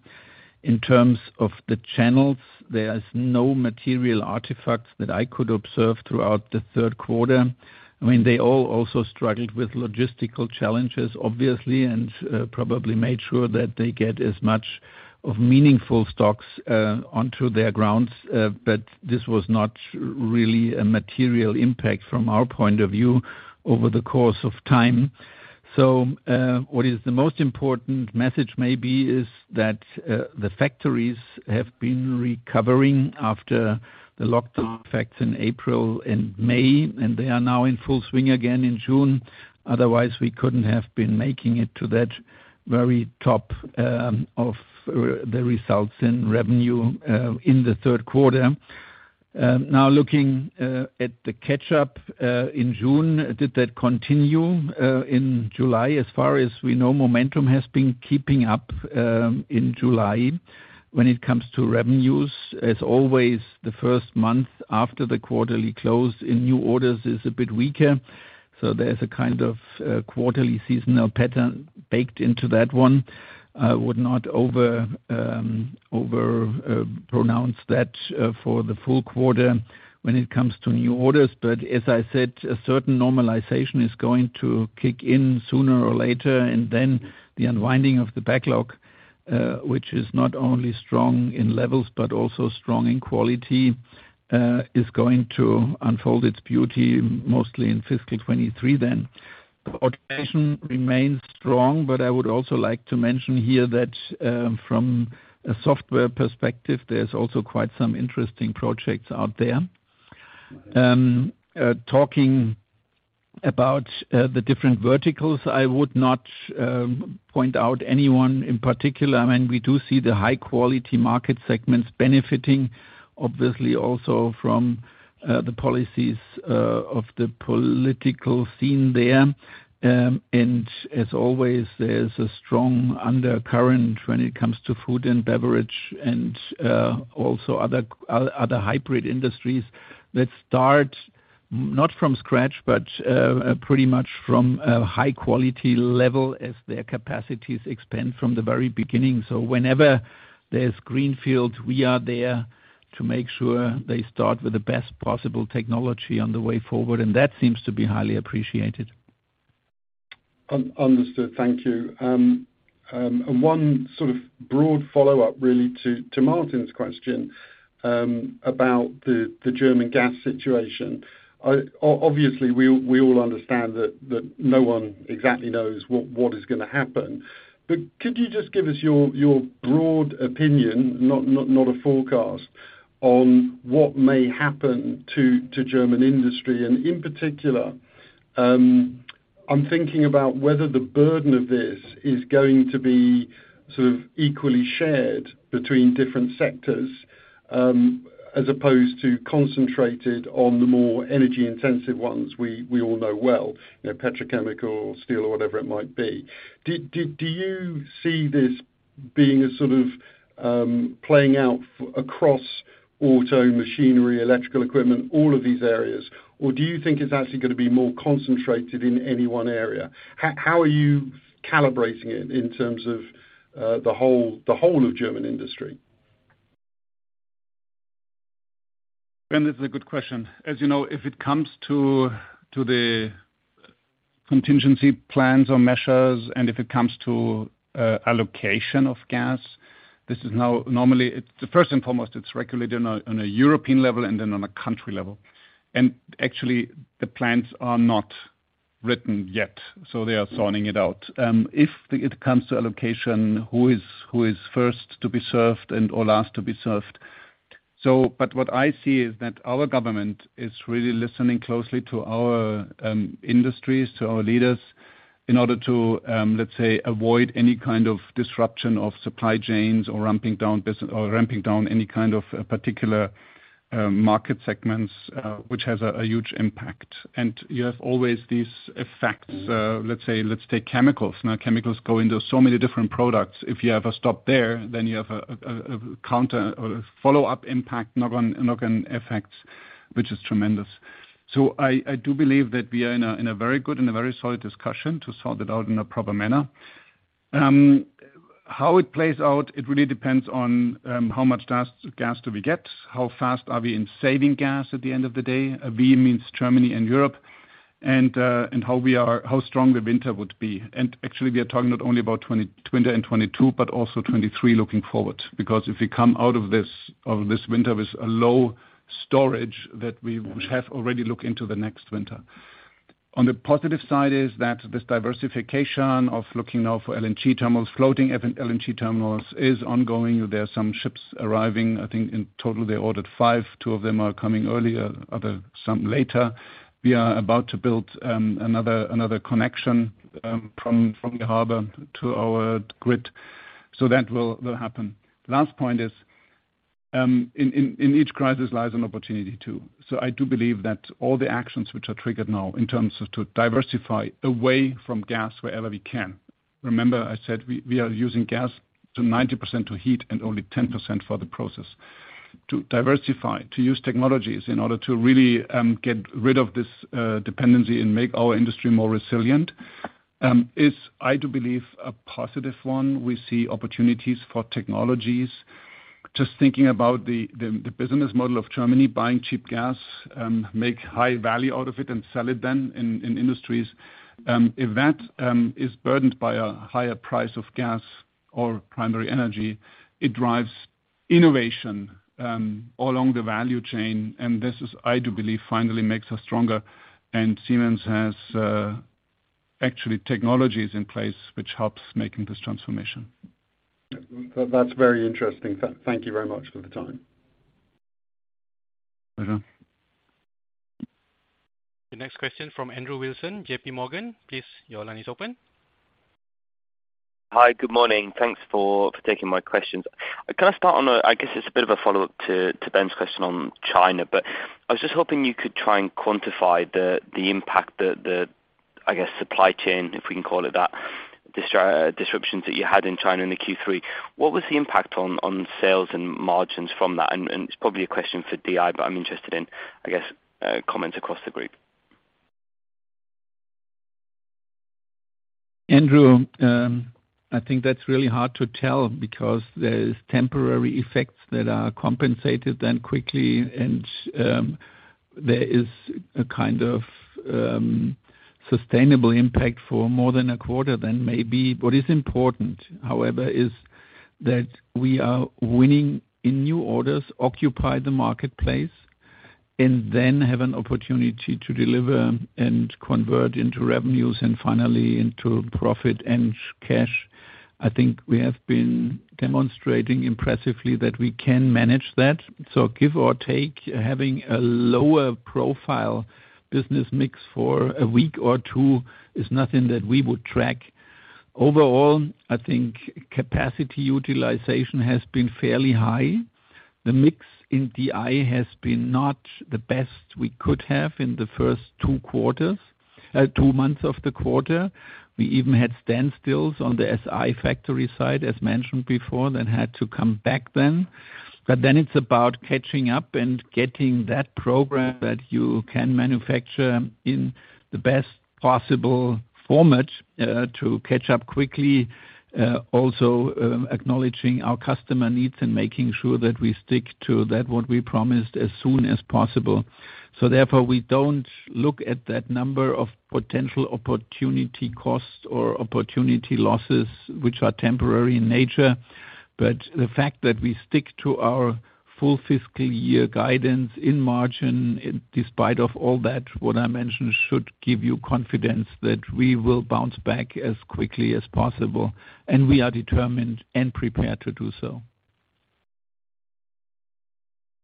In terms of the channels, there is no material aftereffects that I could observe throughout the third quarter. I mean, they all also struggled with logistical challenges, obviously, and probably made sure that they get as much of meaningful stocks onto their grounds. This was not really a material impact from our point of view over the course of time. What is the most important message maybe is that the factories have been recovering after the lockdown effects in April and May, and they are now in full swing again in June. Otherwise, we couldn't have been making it to that very top of the results in revenue in the third quarter. Now looking at the catch up in June, did that continue in July? As far as we know, momentum has been keeping up in July when it comes to revenues. As always, the first month after the quarterly close in new orders is a bit weaker, so there's a kind of quarterly seasonal pattern baked into that one. I would not over pronounce that for the full quarter when it comes to new orders. As I said, a certain normalization is going to kick in sooner or later, and then the unwinding of the backlog, which is not only strong in levels but also strong in quality, is going to unfold its beauty mostly in fiscal 2023 then. Automation remains strong, but I would also like to mention here that, from a software perspective, there's also quite some interesting projects out there. Talking about the different verticals, I would not point out anyone in particular. I mean, we do see the high quality market segments benefiting obviously also from the policies of the political scene there. As always, there's a strong undercurrent when it comes to food and beverage and also other hybrid industries that start not from scratch, but pretty much from a high quality level as their capacities expand from the very beginning. Whenever there's greenfield, we are there to make sure they start with the best possible technology on the way forward, and that seems to be highly appreciated. Understood. Thank you. One sort of broad follow-up really to Martin's question about the German gas situation. Obviously, we all understand that no one exactly knows what is gonna happen. But could you just give us your broad opinion, not a forecast, on what may happen to German industry? In particular, I'm thinking about whether the burden of this is going to be sort of equally shared between different sectors, as opposed to concentrated on the more energy-intensive ones we all know well, you know, petrochemical or steel or whatever it might be. Do you see this being a sort of playing out across auto, machinery, electrical equipment, all of these areas, or do you think it's actually gonna be more concentrated in any one area? How are you calibrating it in terms of the whole of German industry? Ben, that's a good question. As you know, if it comes to the contingency plans or measures and if it comes to allocation of gas, this is now. Normally, it's first and foremost, it's regulated on a European level and then on a country level. Actually, the plans are not written yet, so they are sounding it out. If it comes to allocation, who is first to be served and/or last to be served. But what I see is that our government is really listening closely to our industries, to our leaders in order to let's say avoid any kind of disruption of supply chains or ramping down any kind of particular market segments, which has a huge impact. You have always these effects. Let's say, let's take chemicals. Now, chemicals go into so many different products. If you have a stop there, then you have a counter or follow-up impact knock-on effects, which is tremendous. I do believe that we are in a very good and a very solid discussion to sort it out in a proper manner. How it plays out really depends on how much gas do we get, how fast are we in saving gas at the end of the day, we mean Germany and Europe, and how strong the winter would be. Actually, we are talking not only about 2020 and 2022, but also 2023 looking forward. Because if we come out of this winter with a low storage that we have already looked into the next winter. On the positive side is that this diversification of looking now for LNG terminals, floating LNG terminals is ongoing. There are some ships arriving. I think in total they ordered 5. Two of them are coming earlier, others some later. We are about to build another connection from the harbor to our grid. That will happen. The last point is, in each crisis lies an opportunity, too. I do believe that all the actions which are triggered now in terms of to diversify away from gas wherever we can. Remember I said we are using gas to 90% to heat and only 10% for the process. To diversify, to use technologies in order to really get rid of this dependency and make our industry more resilient, is, I do believe, a positive one. We see opportunities for technologies. Just thinking about the business model of Germany buying cheap gas, make high value out of it and sell it then in industries. If that is burdened by a higher price of gas or primary energy, it drives innovation along the value chain. This is, I do believe, finally makes us stronger. Siemens has actually technologies in place which helps making this transformation. That's very interesting. Thank you very much for the time. Pleasure. The next question from Andrew Wilson, JPMorgan. Please, your line is open. Hi, good morning. Thanks for taking my questions. Can I start on, I guess it's a bit of a follow-up to Ben's question on China, but I was just hoping you could try and quantify the impact, I guess, supply chain, if we can call it that, disruptions that you had in China in the Q3. What was the impact on sales and margins from that? It's probably a question for DI, but I'm interested in, I guess, comments across the group. Andrew, I think that's really hard to tell because there's temporary effects that are compensated then quickly and there is a kind of sustainable impact for more than a quarter then maybe. What is important, however, is that we are winning in new orders, occupy the marketplace, and then have an opportunity to deliver and convert into revenues and finally into profit and cash. I think we have been demonstrating impressively that we can manage that. Give or take, having a lower profile business mix for a week or two is nothing that we would track. Overall, I think capacity utilization has been fairly high. The mix in DI has been not the best we could have in the first two quarters, two months of the quarter. We even had standstills on the SI factory side, as mentioned before, that had to come back then. It's about catching up and getting that program that you can manufacture in the best possible format, to catch up quickly, also, acknowledging our customer needs and making sure that we stick to that what we promised as soon as possible. Therefore, we don't look at that number of potential opportunity costs or opportunity losses which are temporary in nature. The fact that we stick to our full fiscal year guidance in margin, despite of all that, what I mentioned should give you confidence that we will bounce back as quickly as possible, and we are determined and prepared to do so.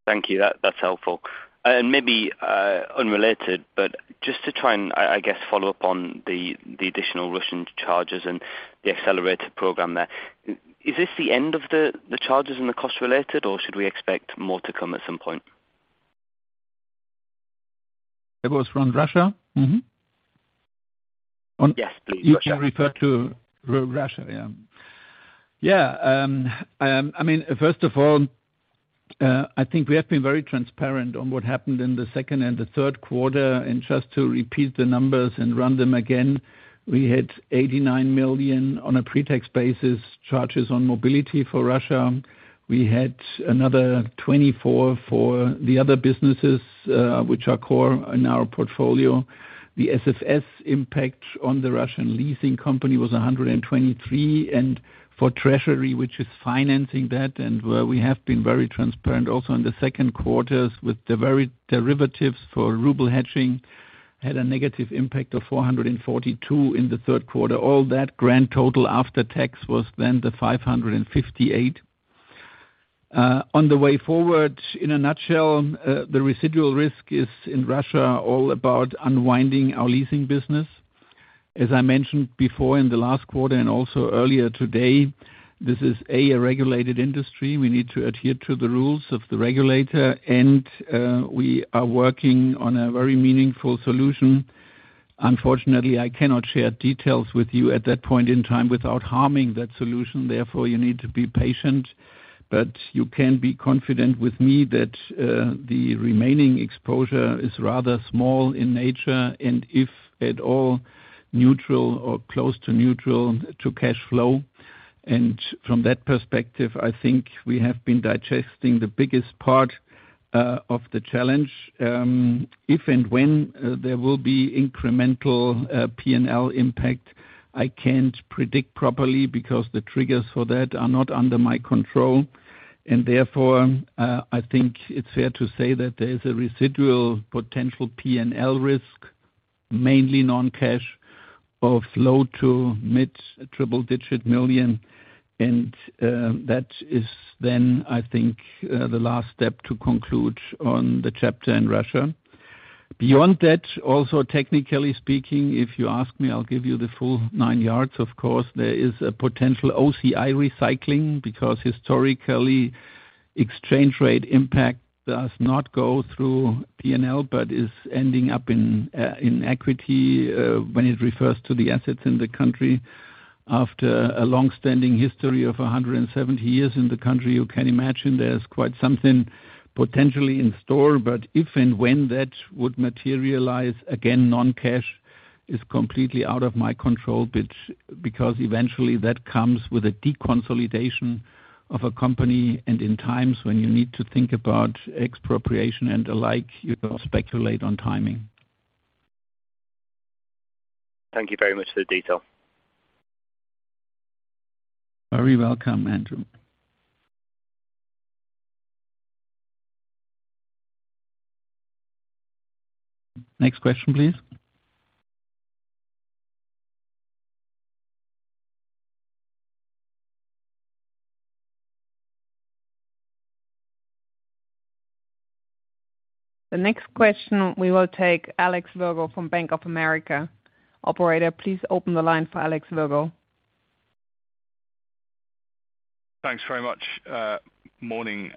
Thank you. That's helpful. Maybe unrelated, but just to try and I guess follow up on the additional Russian charges and the accelerated program there. Is this the end of the charges and the cost related, or should we expect more to come at some point? It was from Russia? Mm-hmm. Yes, please. You can refer to Russia. I mean, first of all, I think we have been very transparent on what happened in the second and the third quarter. Just to repeat the numbers and run them again, we had 89 million on a pre-tax basis, charges on mobility for Russia. We had another 24 million for the other businesses, which are core in our portfolio. The SFS impact on the Russian leasing company was 123 million. For treasury, which is financing that, and where we have been very transparent also in the second quarter with the very derivatives for ruble hedging, had a negative impact of 442 million in the third quarter. All that grand total after tax was then the 558 million. On the way forward, in a nutshell, the residual risk is in Russia, all about unwinding our leasing business. As I mentioned before in the last quarter and also earlier today, this is, A, a regulated industry. We need to adhere to the rules of the regulator. We are working on a very meaningful solution. Unfortunately, I cannot share details with you at that point in time without harming that solution. Therefore, you need to be patient. You can be confident with me that the remaining exposure is rather small in nature, and if at all neutral or close to neutral to cash flow. From that perspective, I think we have been digesting the biggest part of the challenge. If and when there will be incremental P&L impact, I can't predict properly because the triggers for that are not under my control. Therefore, I think it's fair to say that there is a residual potential P&L risk, mainly non-cash, of low- to mid-triple-digit million EUR. That is then, I think, the last step to conclude on the chapter in Russia. Beyond that, also, technically speaking, if you ask me, I'll give you the full nine yards, of course. There is a potential OCI recycling because historically, exchange rate impact does not go through P&L, but is ending up in equity when it refers to the assets in the country. After a long-standing history of 170 years in the country, you can imagine there's quite something potentially in store. If and when that would materialize, again, non-cash is completely out of my control because eventually that comes with a deconsolidation of a company. In times when you need to think about expropriation and the like, you cannot speculate on timing. Thank you very much for the detail. Very welcome, Andrew. Next question, please. The next question we will take from Alexander Virgo from Bank of America. Operator, please open the line for Alexander Virgo. Thanks very much. Morning,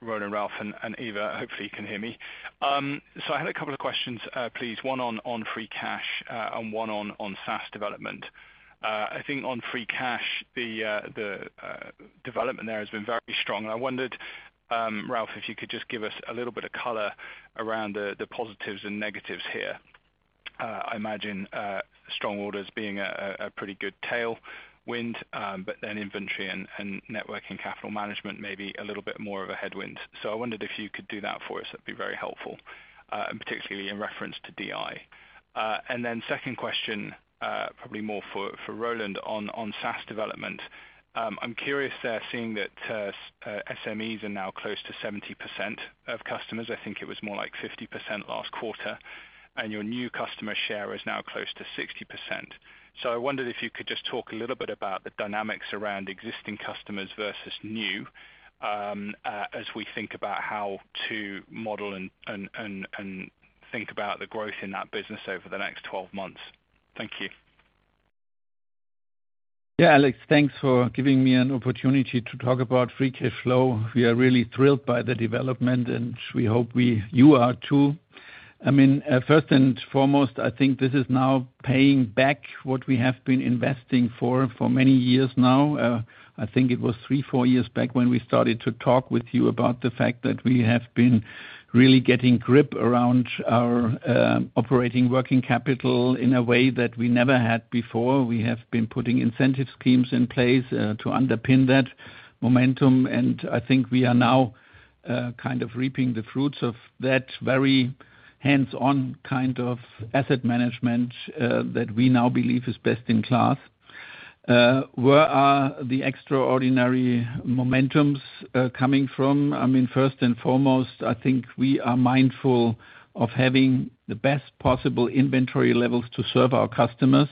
Roland, Ralf, and Eva. Hopefully you can hear me. I had a couple of questions, please, one on free cash, and one on SaaS development. I think on free cash, the development there has been very strong. I wondered, Ralf, if you could just give us a little bit of color around the positives and negatives here. I imagine strong orders being a pretty good tailwind, but then inventory and working capital management may be a little bit more of a headwind. I wondered if you could do that for us. That'd be very helpful, and particularly in reference to DI. Then second question, probably more for Roland on SaaS development. I'm curious there, seeing that SMEs are now close to 70% of customers. I think it was more like 50% last quarter, and your new customer share is now close to 60%. I wondered if you could just talk a little bit about the dynamics around existing customers versus new, as we think about how to model and think about the growth in that business over the next 12 months. Thank you. Yeah, Alex, thanks for giving me an opportunity to talk about free cash flow. We are really thrilled by the development, and we hope you are too. I mean, first and foremost, I think this is now paying back what we have been investing for many years now. I think it was 3-4 years back when we started to talk with you about the fact that we have been really getting grip around our operating working capital in a way that we never had before. We have been putting incentive schemes in place to underpin that momentum, and I think we are now kind of reaping the fruits of that very hands-on kind of asset management that we now believe is best in class. Where are the extraordinary momentums coming from? I mean, first and foremost, I think we are mindful of having the best possible inventory levels to serve our customers,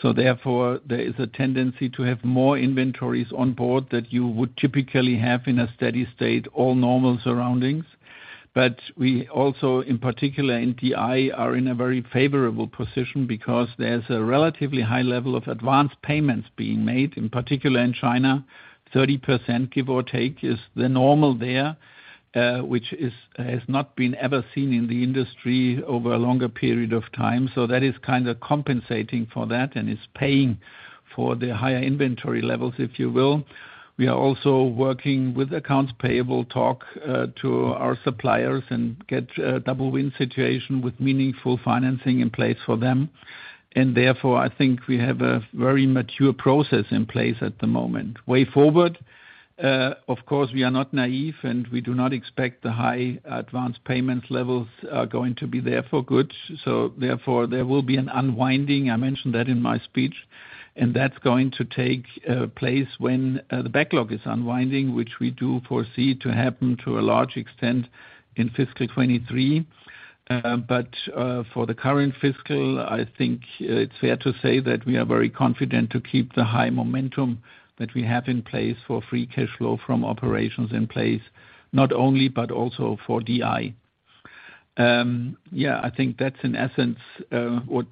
so therefore there is a tendency to have more inventories on board that you would typically have in a steady state or normal surroundings. We also, in particular in DI, are in a very favorable position because there's a relatively high level of advanced payments being made, in particular in China. 30%, give or take, is the normal there, which has not been ever seen in the industry over a longer period of time. That is kind of compensating for that and is paying for the higher inventory levels, if you will. We are also working with accounts payable to talk to our suppliers and get a double win situation with meaningful financing in place for them. Therefore, I think we have a very mature process in place at the moment. Way forward, of course, we are not naive, and we do not expect the high advanced payment levels are going to be there for good. Therefore, there will be an unwinding. I mentioned that in my speech, and that's going to take place when the backlog is unwinding, which we do foresee to happen to a large extent in fiscal 2023. But for the current fiscal, I think it's fair to say that we are very confident to keep the high momentum that we have in place for free cash flow from operations in place, not only but also for DI. I think that's in essence what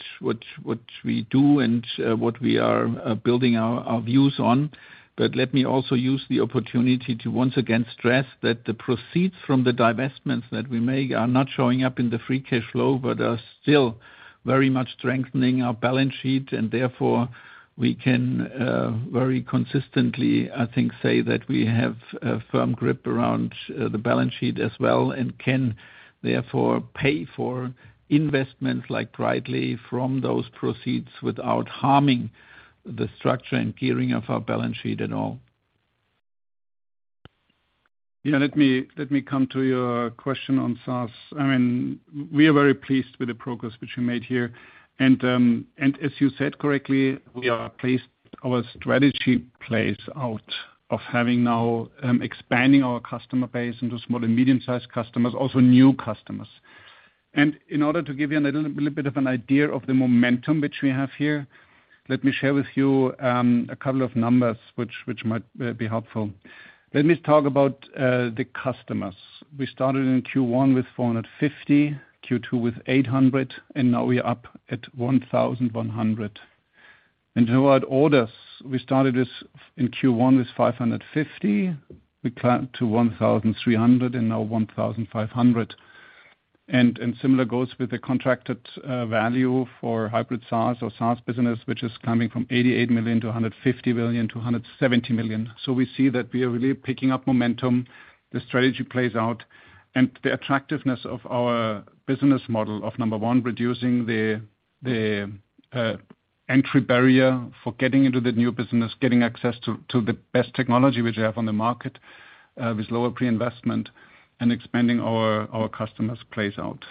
we do and what we are building our views on. Let me also use the opportunity to once again stress that the proceeds from the divestments that we make are not showing up in the free cash flow, but are still very much strengthening our balance sheet. Therefore, we can very consistently, I think, say that we have a firm grip around the balance sheet as well and can therefore pay for investments like Brightly from those proceeds without harming the structure and gearing of our balance sheet at all. Yeah, let me come to your question on SaaS. I mean, we are very pleased with the progress which we made here. As you said correctly, we are pleased our strategy plays out of having now expanding our customer base into small and medium-sized customers, also new customers. In order to give you a little bit of an idea of the momentum which we have here, let me share with you a couple of numbers which might be helpful. Let me talk about the customers. We started in Q1 with 450, Q2 with 800, and now we are up at 1,100. In regard orders, we started this in Q1 with 550. We climbed to 1,300 and now 1,500. Similar goes with the contracted value for hybrid SaaS or SaaS business, which is coming from 88 million to 150 million to 170 million. We see that we are really picking up momentum. The strategy plays out and the attractiveness of our business model of, number one, reducing the entry barrier for getting into the new business, getting access to the best technology which we have on the market with lower pre-investment and expanding our customers plays out.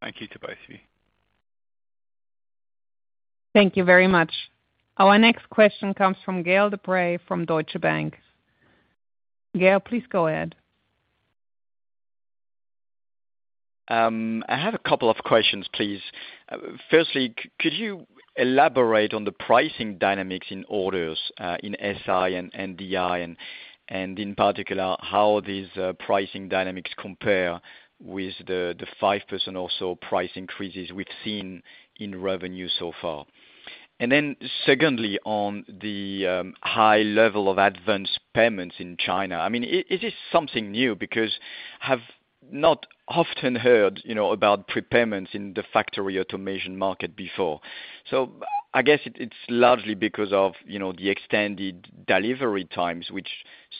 Thank you to both of you. Thank you very much. Our next question comes from Gael de-Bray from Deutsche Bank. Gael, please go ahead. I have a couple of questions, please. First, could you elaborate on the pricing dynamics in orders in SI and DI and, in particular, how these pricing dynamics compare with the 5% or so price increases we've seen in revenue so far? Then secondly, on the high level of advance payments in China. I mean, is this something new? Because I've not often heard, you know, about prepayments in the factory automation market before. So I guess it's largely because of, you know, the extended delivery times, which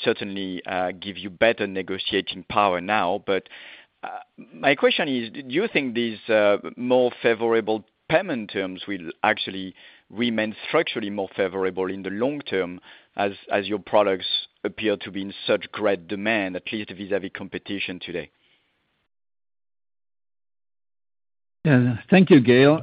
certainly give you better negotiating power now. But my question is, do you think these more favorable payment terms will actually remain structurally more favorable in the long term as your products appear to be in such great demand, at least vis-à-vis competition today? Yeah. Thank you, Gail.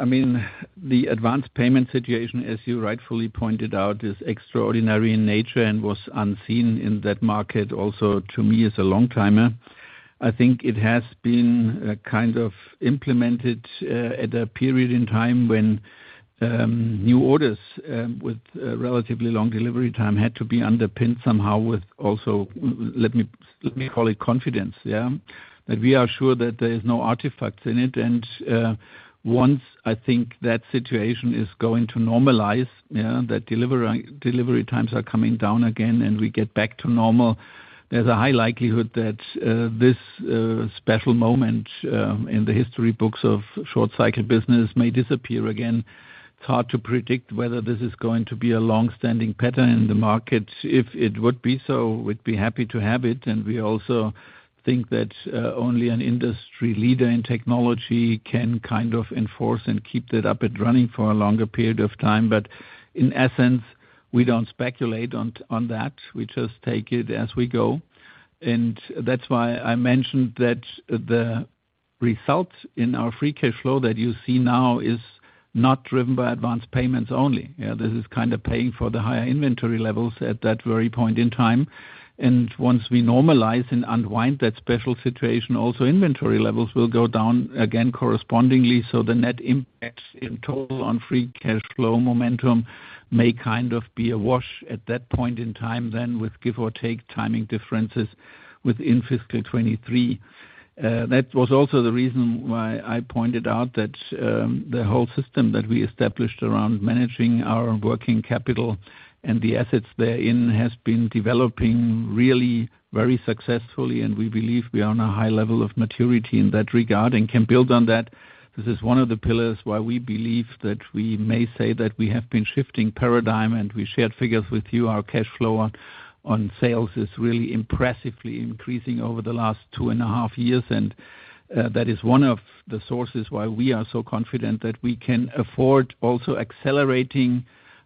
I mean, the advanced payment situation, as you rightfully pointed out, is extraordinary in nature and was unseen in that market also to me as a long timer. I think it has been kind of implemented at a period in time when new orders with relatively long delivery time had to be underpinned somehow with also, let me call it confidence, yeah? That we are sure that there is no artifacts in it and once I think that situation is going to normalize, yeah, that delivery times are coming down again and we get back to normal, there's a high likelihood that this special moment in the history books of short cycle business may disappear again. It's hard to predict whether this is going to be a long-standing pattern in the market. If it would be so, we'd be happy to have it, and we also think that only an industry leader in technology can kind of enforce and keep that up and running for a longer period of time. In essence, we don't speculate on that. We just take it as we go. That's why I mentioned that the results in our free cash flow that you see now is not driven by advanced payments only. Yeah, this is kind of paying for the higher inventory levels at that very point in time. Once we normalize and unwind that special situation, also inventory levels will go down again correspondingly, so the net impacts in total on free cash flow momentum may kind of be a wash at that point in time then with give or take timing differences within fiscal 2023. That was also the reason why I pointed out that the whole system that we established around managing our working capital and the assets therein has been developing really very successfully, and we believe we are on a high level of maturity in that regard and can build on that. This is one of the pillars why we believe that we may say that we have been shifting paradigm and we shared figures with you. Our cash flow on sales is really impressively increasing over the last two and a half years and that is one of the sources why we are so confident that we can afford also accelerating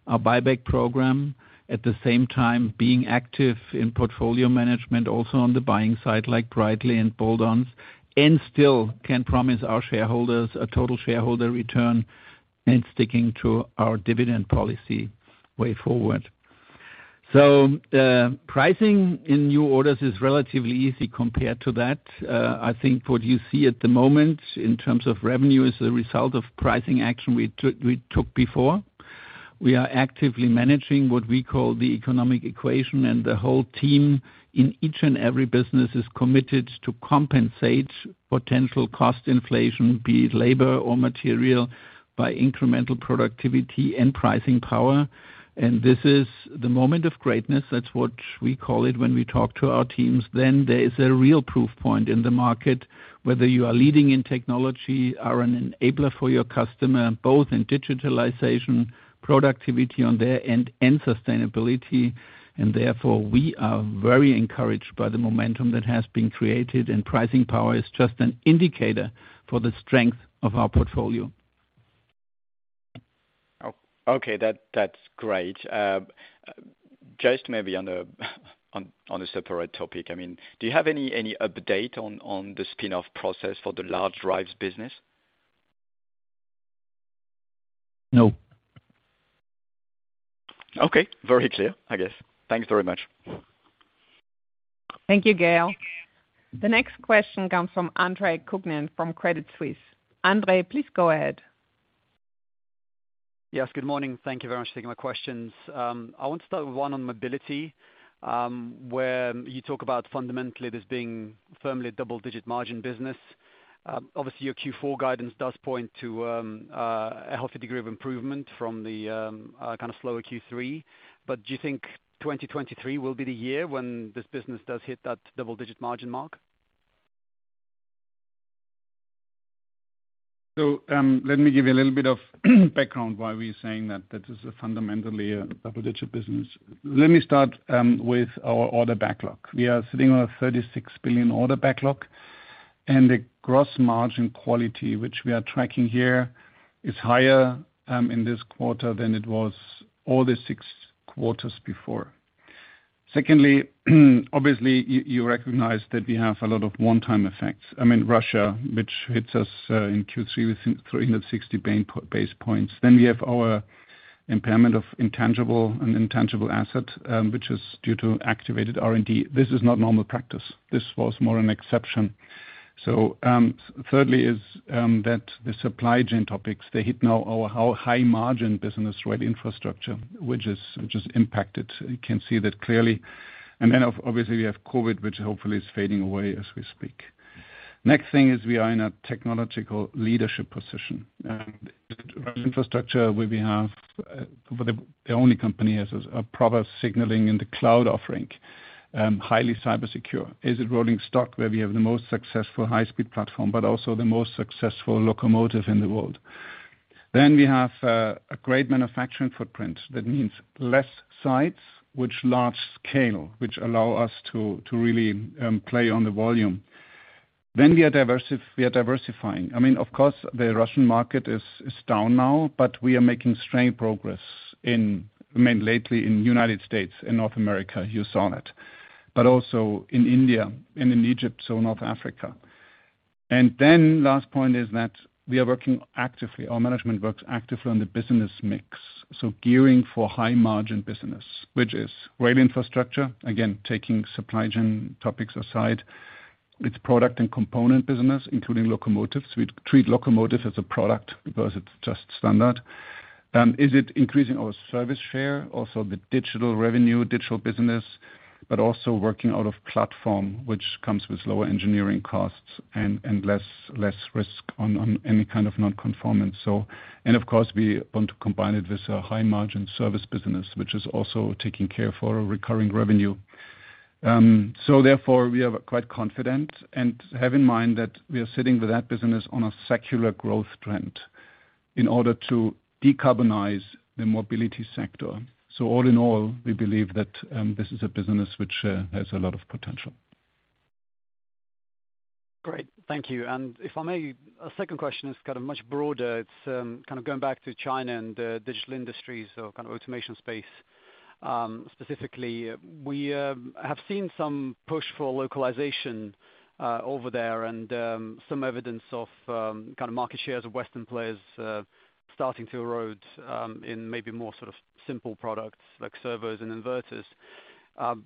our buyback program, at the same time being active in portfolio management also on the buying side, like Brightly and bolt-ons, and still can promise our shareholders a total shareholder return and sticking to our dividend policy way forward. Pricing in new orders is relatively easy compared to that. I think what you see at the moment in terms of revenue is a result of pricing action we took before. We are actively managing what we call the economic equation and the whole team in each and every business is committed to compensate potential cost inflation, be it labor or material, by incremental productivity and pricing power. This is the moment of greatness. That's what we call it when we talk to our teams. There is a real proof point in the market, whether you are leading in technology or an enabler for your customer, both in digitalization, productivity on their end, and sustainability. Therefore, we are very encouraged by the momentum that has been created, and pricing power is just an indicator for the strength of our portfolio. Okay. That's great. Just maybe on a separate topic, I mean, do you have any update on the spin-off process for the large drives business? No. Okay. Very clear, I guess. Thanks very much. Thank you, Gail. The next question comes from from Credit Suisse. Andre, please go ahead. Yes, good morning. Thank you very much for taking my questions. I want to start with one on Mobility, where you talk about fundamentally this being firmly a double-digit margin business. Obviously your Q4 guidance does point to a healthy degree of improvement from the kind of slower Q3. Do you think 2023 will be the year when this business does hit that double-digit margin mark? Let me give you a little bit of background why we're saying that that is a fundamentally a double-digit business. Let me start with our order backlog. We are sitting on a 36 billion order backlog, and the gross margin quality, which we are tracking here, is higher in this quarter than it was all the six quarters before. Secondly, obviously you recognize that we have a lot of one-time effects. I mean Russia, which hits us in Q3 with three hundred and sixty basis points. We have our impairment of intangible asset, which is due to activated R&D. This is not normal practice. This was more an exception. Thirdly is that the supply chain topics, they hit now our high-margin business, right, infrastructure, which is impacted. You can see that clearly. Obviously we have COVID, which hopefully is fading away as we speak. Next thing is we are in a technological leadership position and infrastructure where we have the only company has a proper signaling in the cloud offering, highly cyber secure. In rolling stock where we have the most successful high-speed platform, but also the most successful locomotive in the world. We have a great manufacturing footprint. That means less sites, which large scale, which allow us to really play on the volume. We are diversifying. I mean, of course, the Russian market is down now, but we are making strong progress in, I mean, lately in the United States, in North America, you saw that, but also in India and in Egypt, so North Africa. Then last point is that we are working actively. Our management works actively on the business mix, so gearing for high margin business, which is rail infrastructure. Again, taking supply chain topics aside, it's product and component business, including locomotives. We treat locomotive as a product because it's just standard. Is it increasing our service share, also the digital revenue, digital business, but also working off platform which comes with lower engineering costs and less risk on any kind of non-conformance. Of course we want to combine it with a high margin service business, which is also taking care for a recurring revenue. Therefore we are quite confident and have in mind that we are sitting with that business on a secular growth trend in order to decarbonize the mobility sector. All in all, we believe that this is a business which has a lot of potential. Great. Thank you. If I may, a second question is kind of much broader. It's kind of going back to China and Digital Industries or kind of automation space, specifically. We have seen some push for localization over there and some evidence of kind of market shares of Western players starting to erode in maybe more sort of simple products like servers and inverters.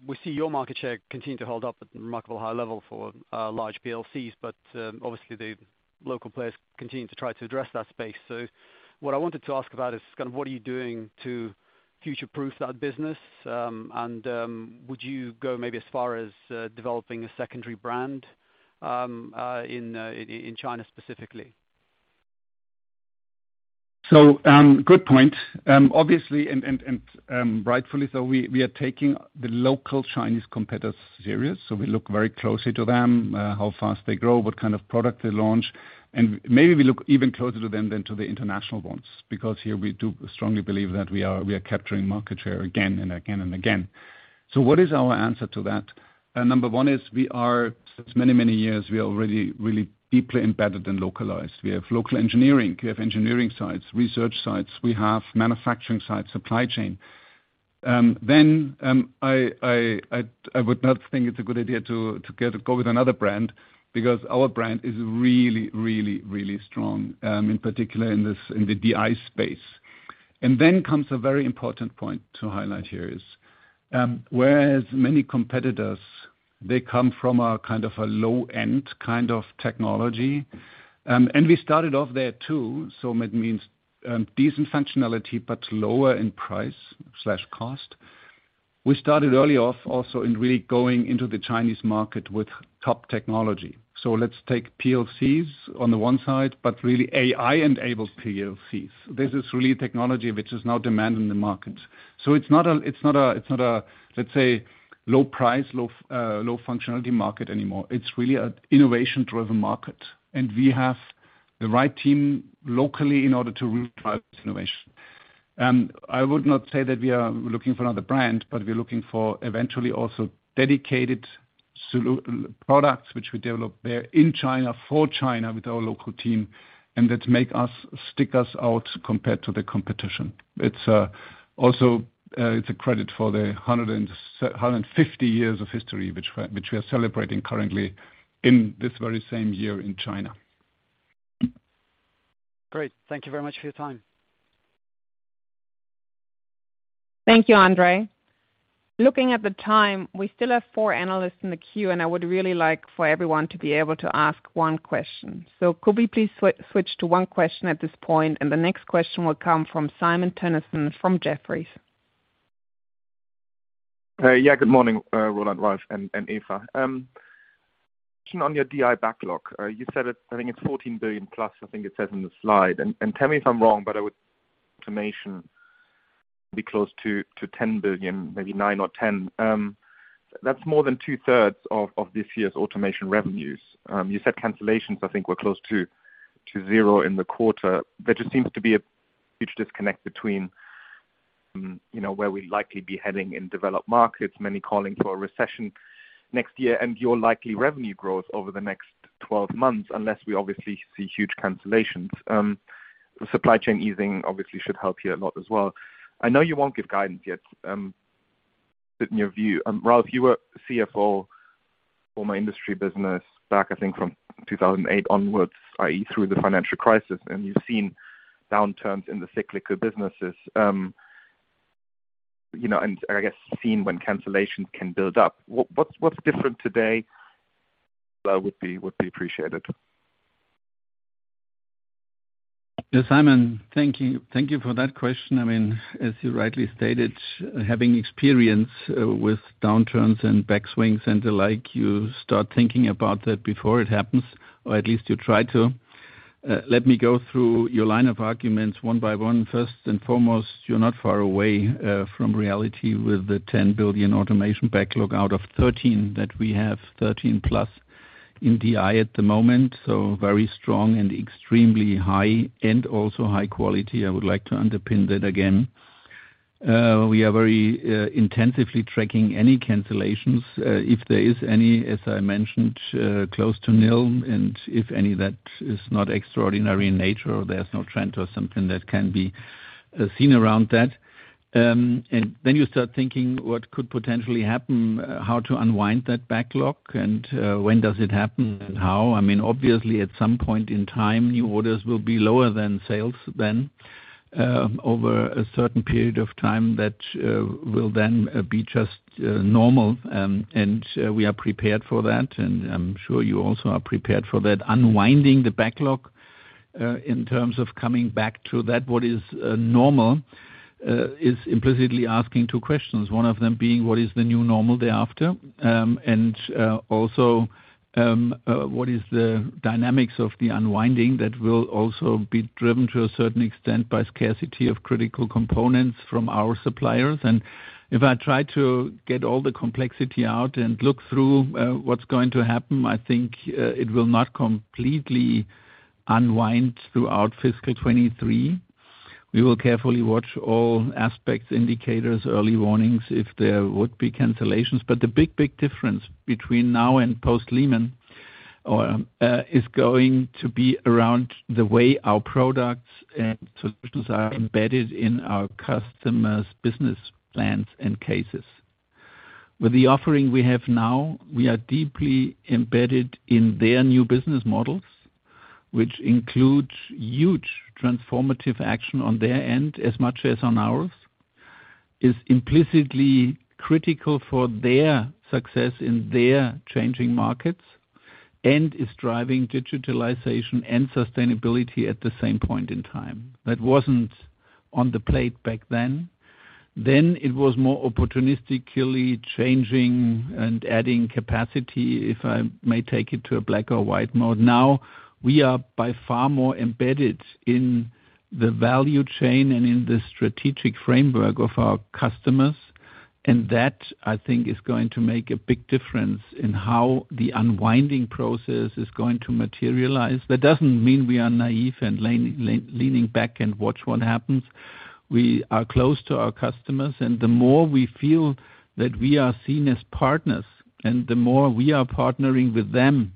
We see your market share continue to hold up at remarkable high level for large PLCs, but obviously the local players continue to try to address that space. What I wanted to ask about is kind of what are you doing to future-proof that business? And would you go maybe as far as developing a secondary brand in China specifically? Good point. Obviously, rightfully so, we are taking the local Chinese competitors seriously. We look very closely to them, how fast they grow, what kind of product they launch. Maybe we look even closer to them than to the international ones, because here we do strongly believe that we are capturing market share again and again. What is our answer to that? Number one is, many years, we are already really deeply embedded and localized. We have local engineering. We have engineering sites, research sites. We have manufacturing sites, supply chain. I would not think it's a good idea to go with another brand because our brand is really strong, in particular in the DI space. Then comes a very important point to highlight here is, whereas many competitors, they come from a kind of a low end kind of technology. We started off there too. It means decent functionality but lower in price/cost. We started early off also in really going into the Chinese market with top technology. Let's take PLCs on the one side, but really AI-enabled PLCs. This is really technology which is now in demand in the market. It's not a, let's say, low price, low functionality market anymore. It's really an innovation-driven market. We have the right team locally in order to drive this innovation. I would not say that we are looking for another brand, but we're looking for eventually also dedicated products which we develop there in China, for China with our local team. That makes us stick out compared to the competition. It's also a credit for the 150 years of history which we are celebrating currently in this very same year in China. Great. Thank you very much for your time. Thank you, Andre. Looking at the time, we still have four analysts in the queue, and I would really like for everyone to be able to ask one question. Could we please switch to one question at this point? The next question will come from Simon Toennessen from Jefferies. Yeah, good morning, Roland, Ralf, and Eva. On your DI backlog, you said it, I think it's 14 billion plus, I think it says in the slide. Tell me if I'm wrong, but would automation be close to 10 billion, maybe 9 billion or 10 billion. That's more than two-thirds of this year's automation revenues. You said cancellations, I think, were close to zero in the quarter. There just seems to be a huge disconnect between, you know, where we'd likely be heading in developed markets, many calling for a recession next year, and your likely revenue growth over the next 12 months, unless we obviously see huge cancellations. The supply chain easing obviously should help you a lot as well. I know you won't give guidance yet, but in your view, Ralf, you were CFO for my industry business back, I think, from 2008 onwards, i.e., through the financial crisis, and you've seen downturns in the cyclical businesses. You know, and I guess seen when cancellation can build up. What's different today? Would be appreciated. Yeah, Simon, thank you. Thank you for that question. I mean, as you rightly stated, having experience with downturns and upswings and the like, you start thinking about that before it happens, or at least you try to. Let me go through your line of arguments one by one. First and foremost, you're not far away from reality with the 10 billion automation backlog out of 13 billion that we have, 13+ billion in DI at the moment. Very strong and extremely high and also high quality. I would like to underpin that again. We are very intensively tracking any cancellations, if there is any, as I mentioned, close to nil, and if any, that is not extraordinary in nature, there's no trend or something that can be seen around that. Then you start thinking what could potentially happen, how to unwind that backlog and when does it happen and how? I mean, obviously at some point in time, new orders will be lower than sales then, over a certain period of time that will then be just normal. We are prepared for that, and I'm sure you also are prepared for that. Unwinding the backlog in terms of coming back to that, what is normal, is implicitly asking two questions. One of them being what is the new normal thereafter? Also, what is the dynamics of the unwinding that will also be driven to a certain extent by scarcity of critical components from our suppliers? If I try to get all the complexity out and look through, what's going to happen, I think, it will not completely unwind throughout fiscal 2023. We will carefully watch all aspects, indicators, early warnings, if there would be cancellations. The big, big difference between now and post Lehman is going to be around the way our products and solutions are embedded in our customers' business plans and cases. With the offering we have now, we are deeply embedded in their new business models, which includes huge transformative action on their end, as much as on ours, is implicitly critical for their success in their changing markets, and is driving digitalization and sustainability at the same point in time. That wasn't on the plate back then. It was more opportunistically changing and adding capacity, if I may take it to a black or white mode. Now, we are by far more embedded in the value chain and in the strategic framework of our customers, and that, I think is going to make a big difference in how the unwinding process is going to materialize. That doesn't mean we are naive and leaning back and watch what happens. We are close to our customers, and the more we feel that we are seen as partners, and the more we are partnering with them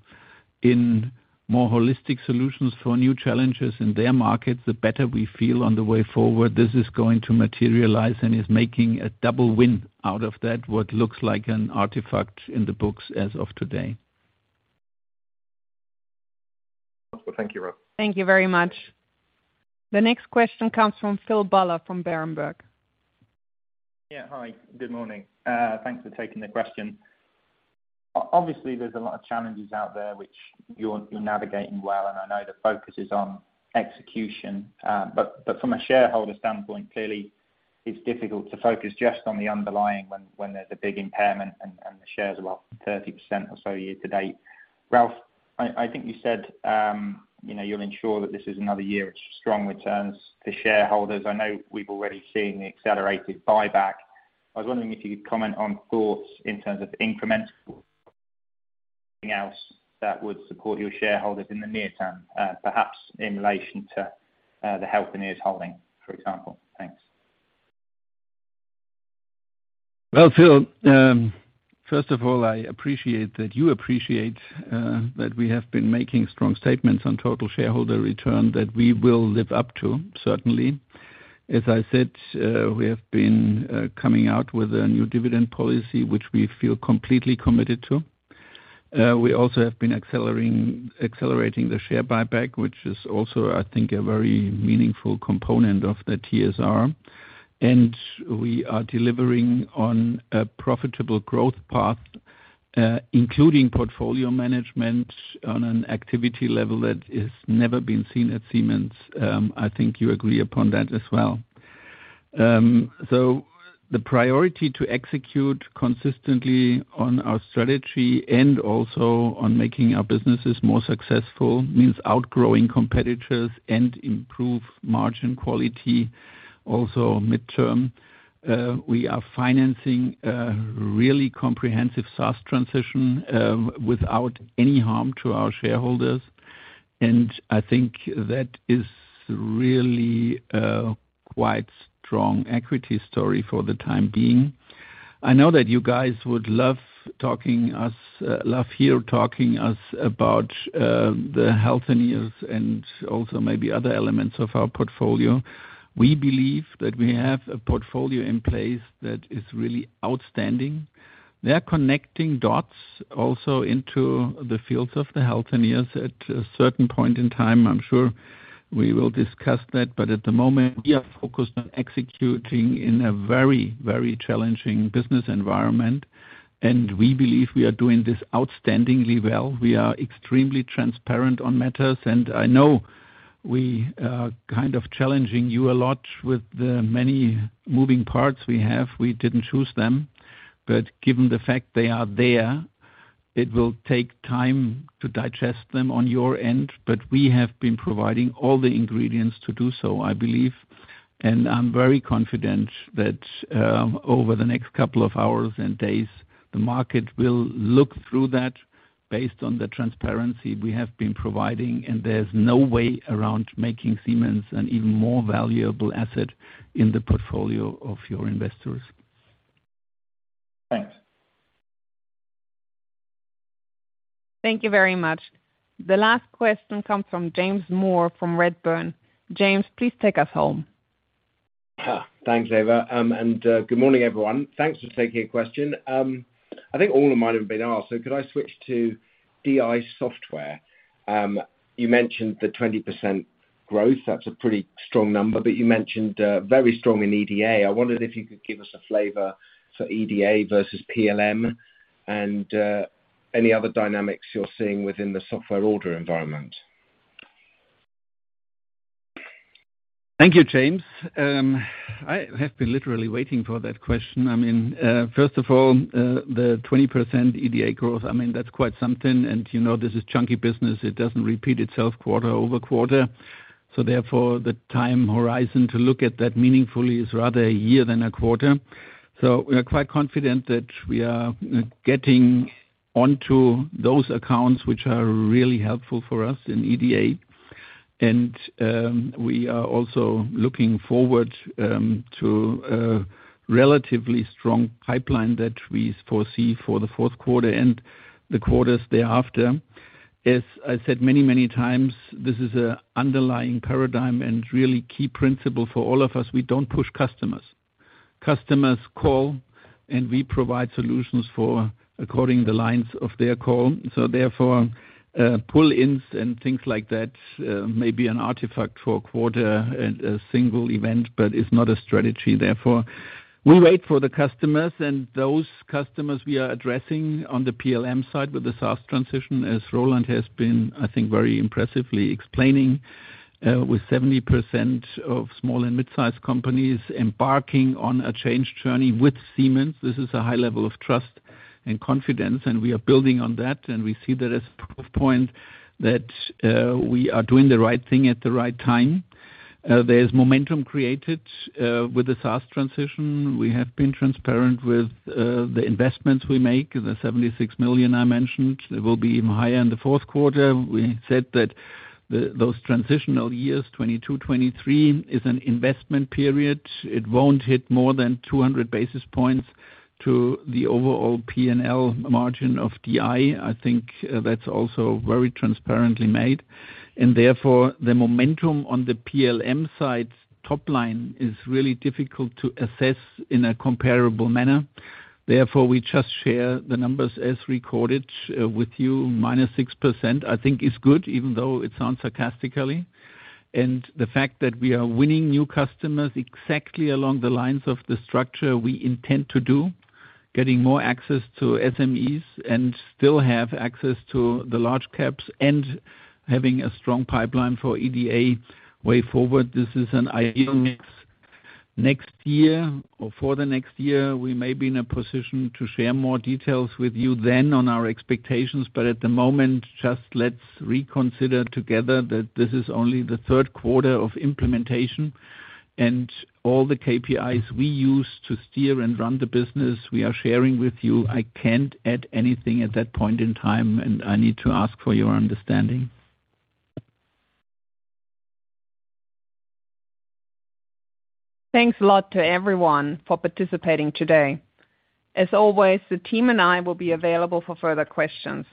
in more holistic solutions for new challenges in their markets, the better we feel on the way forward. This is going to materialize and is making a double win out of that, what looks like an artifact in the books as of today. Thank you, Ralf. Thank you very much. The next question comes from Philip Buller from Berenberg. Yeah. Hi, good morning. Thanks for taking the question. Obviously, there's a lot of challenges out there which you're navigating well, and I know the focus is on execution. From a shareholder standpoint, clearly it's difficult to focus just on the underlying when there's a big impairment and the shares are off 30% or so year to date. Ralph, I think you said, you know, you'll ensure that this is another year of strong returns to shareholders. I know we've already seen the accelerated buyback. I was wondering if you could comment on thoughts in terms of incremental else that would support your shareholders in the near term, perhaps in relation to the Healthineers holding, for example. Thanks. Well, Phil Buller, first of all, I appreciate that you appreciate that we have been making strong statements on total shareholder return that we will live up to, certainly. As I said, we have been coming out with a new dividend policy which we feel completely committed to. We also have been accelerating the share buyback, which is also, I think, a very meaningful component of the TSR. We are delivering on a profitable growth path, including portfolio management on an activity level that has never been seen at Siemens. I think you agree upon that as well. The priority to execute consistently on our strategy and also on making our businesses more successful means outgrowing competitors and improve margin quality also midterm. We are financing a really comprehensive SaaS transition without any harm to our shareholders. I think that is really a quite strong equity story for the time being. I know that you guys would love to talk to us, love to hear us talk about the Healthineers and also maybe other elements of our portfolio. We believe that we have a portfolio in place that is really outstanding. They're connecting dots also into the fields of the Healthineers. At a certain point in time, I'm sure we will discuss that, but at the moment, we are focused on executing in a very, very challenging business environment, and we believe we are doing this outstandingly well. We are extremely transparent on matters, and I know we are kind of challenging you a lot with the many moving parts we have. We didn't choose them, but given the fact they are there, it will take time to digest them on your end. We have been providing all the ingredients to do so, I believe. I'm very confident that, over the next couple of hours and days, the market will look through that based on the transparency we have been providing. There's no way around making Siemens an even more valuable asset in the portfolio of your investors. Thanks. Thank you very much. The last question comes from James Moore from Redburn. James, please take us home. Thanks, Eva. Good morning, everyone. Thanks for taking a question. I think all of mine have been asked, so could I switch to DI software? You mentioned the 20% growth. That's a pretty strong number, but you mentioned very strong in EDA. I wondered if you could give us a flavor for EDA versus PLM and any other dynamics you're seeing within the software order environment. Thank you, James. I have been literally waiting for that question. I mean, first of all, the 20% EDA growth, I mean, that's quite something. You know, this is chunky business. It doesn't repeat itself quarter-over-quarter. Therefore, the time horizon to look at that meaningfully is rather a year than a quarter. We are quite confident that we are getting onto those accounts which are really helpful for us in EDA. We are also looking forward to a relatively strong pipeline that we foresee for the fourth quarter and the quarters thereafter. As I said many, many times, this is an underlying paradigm and really key principle for all of us. We don't push customers. Customers call, and we provide solutions according to the lines of their call. Therefore, pull-ins and things like that may be an artifact for a quarter and a single event, but it's not a strategy. Therefore, we wait for the customers and those customers we are addressing on the PLM side with the SaaS transition, as Roland has been, I think, very impressively explaining, with 70% of small and mid-sized companies embarking on a change journey with Siemens. This is a high level of trust and confidence, and we are building on that. We see that as a proof point that we are doing the right thing at the right time. There's momentum created with the SaaS transition. We have been transparent with the investments we make. The 76 million I mentioned. They will be even higher in the fourth quarter. We said that those transitional years, 2022, 2023, is an investment period. It won't hit more than 200 basis points to the overall P&L margin of DI. I think that's also very transparently made. Therefore, the momentum on the PLM side's top line is really difficult to assess in a comparable manner. Therefore, we just share the numbers as recorded with you. -6%, I think, is good, even though it sounds sarcastically. The fact that we are winning new customers exactly along the lines of the structure we intend to do, getting more access to SMEs and still have access to the large caps and having a strong pipeline for EDA way forward, this is an ideal mix. Next year or for the next year, we may be in a position to share more details with you then on our expectations, but at the moment, just let's reconsider together that this is only the third quarter of implementation. All the KPIs we use to steer and run the business we are sharing with you, I can't add anything at that point in time, and I need to ask for your understanding. Thanks a lot to everyone for participating today. As always, the team and I will be available for further questions.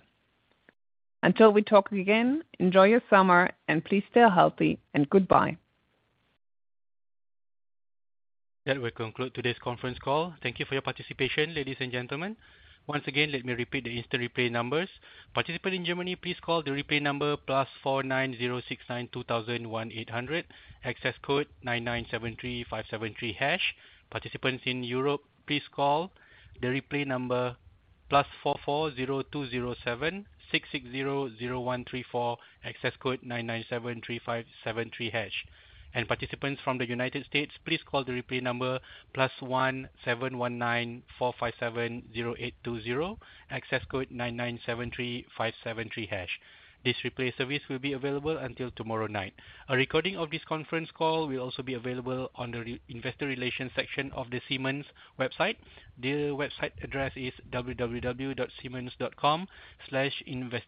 Until we talk again, enjoy your summer and please stay healthy, and goodbye. That will conclude today's conference call. Thank you for your participation, ladies and gentlemen. Once again, let me repeat the instant replay numbers. Participants in Germany, please call the replay number +4906920001800, access code 9973573#. Participants in Europe, please call the replay number +4402076600134, access code 9973573#. Participants from the United States, please call the replay number +1719-457-0820, access code 9973573#. This replay service will be available until tomorrow night. A recording of this conference call will also be available on the investor relations section of the Siemens website. The website address is www.siemens.com/investor-relations.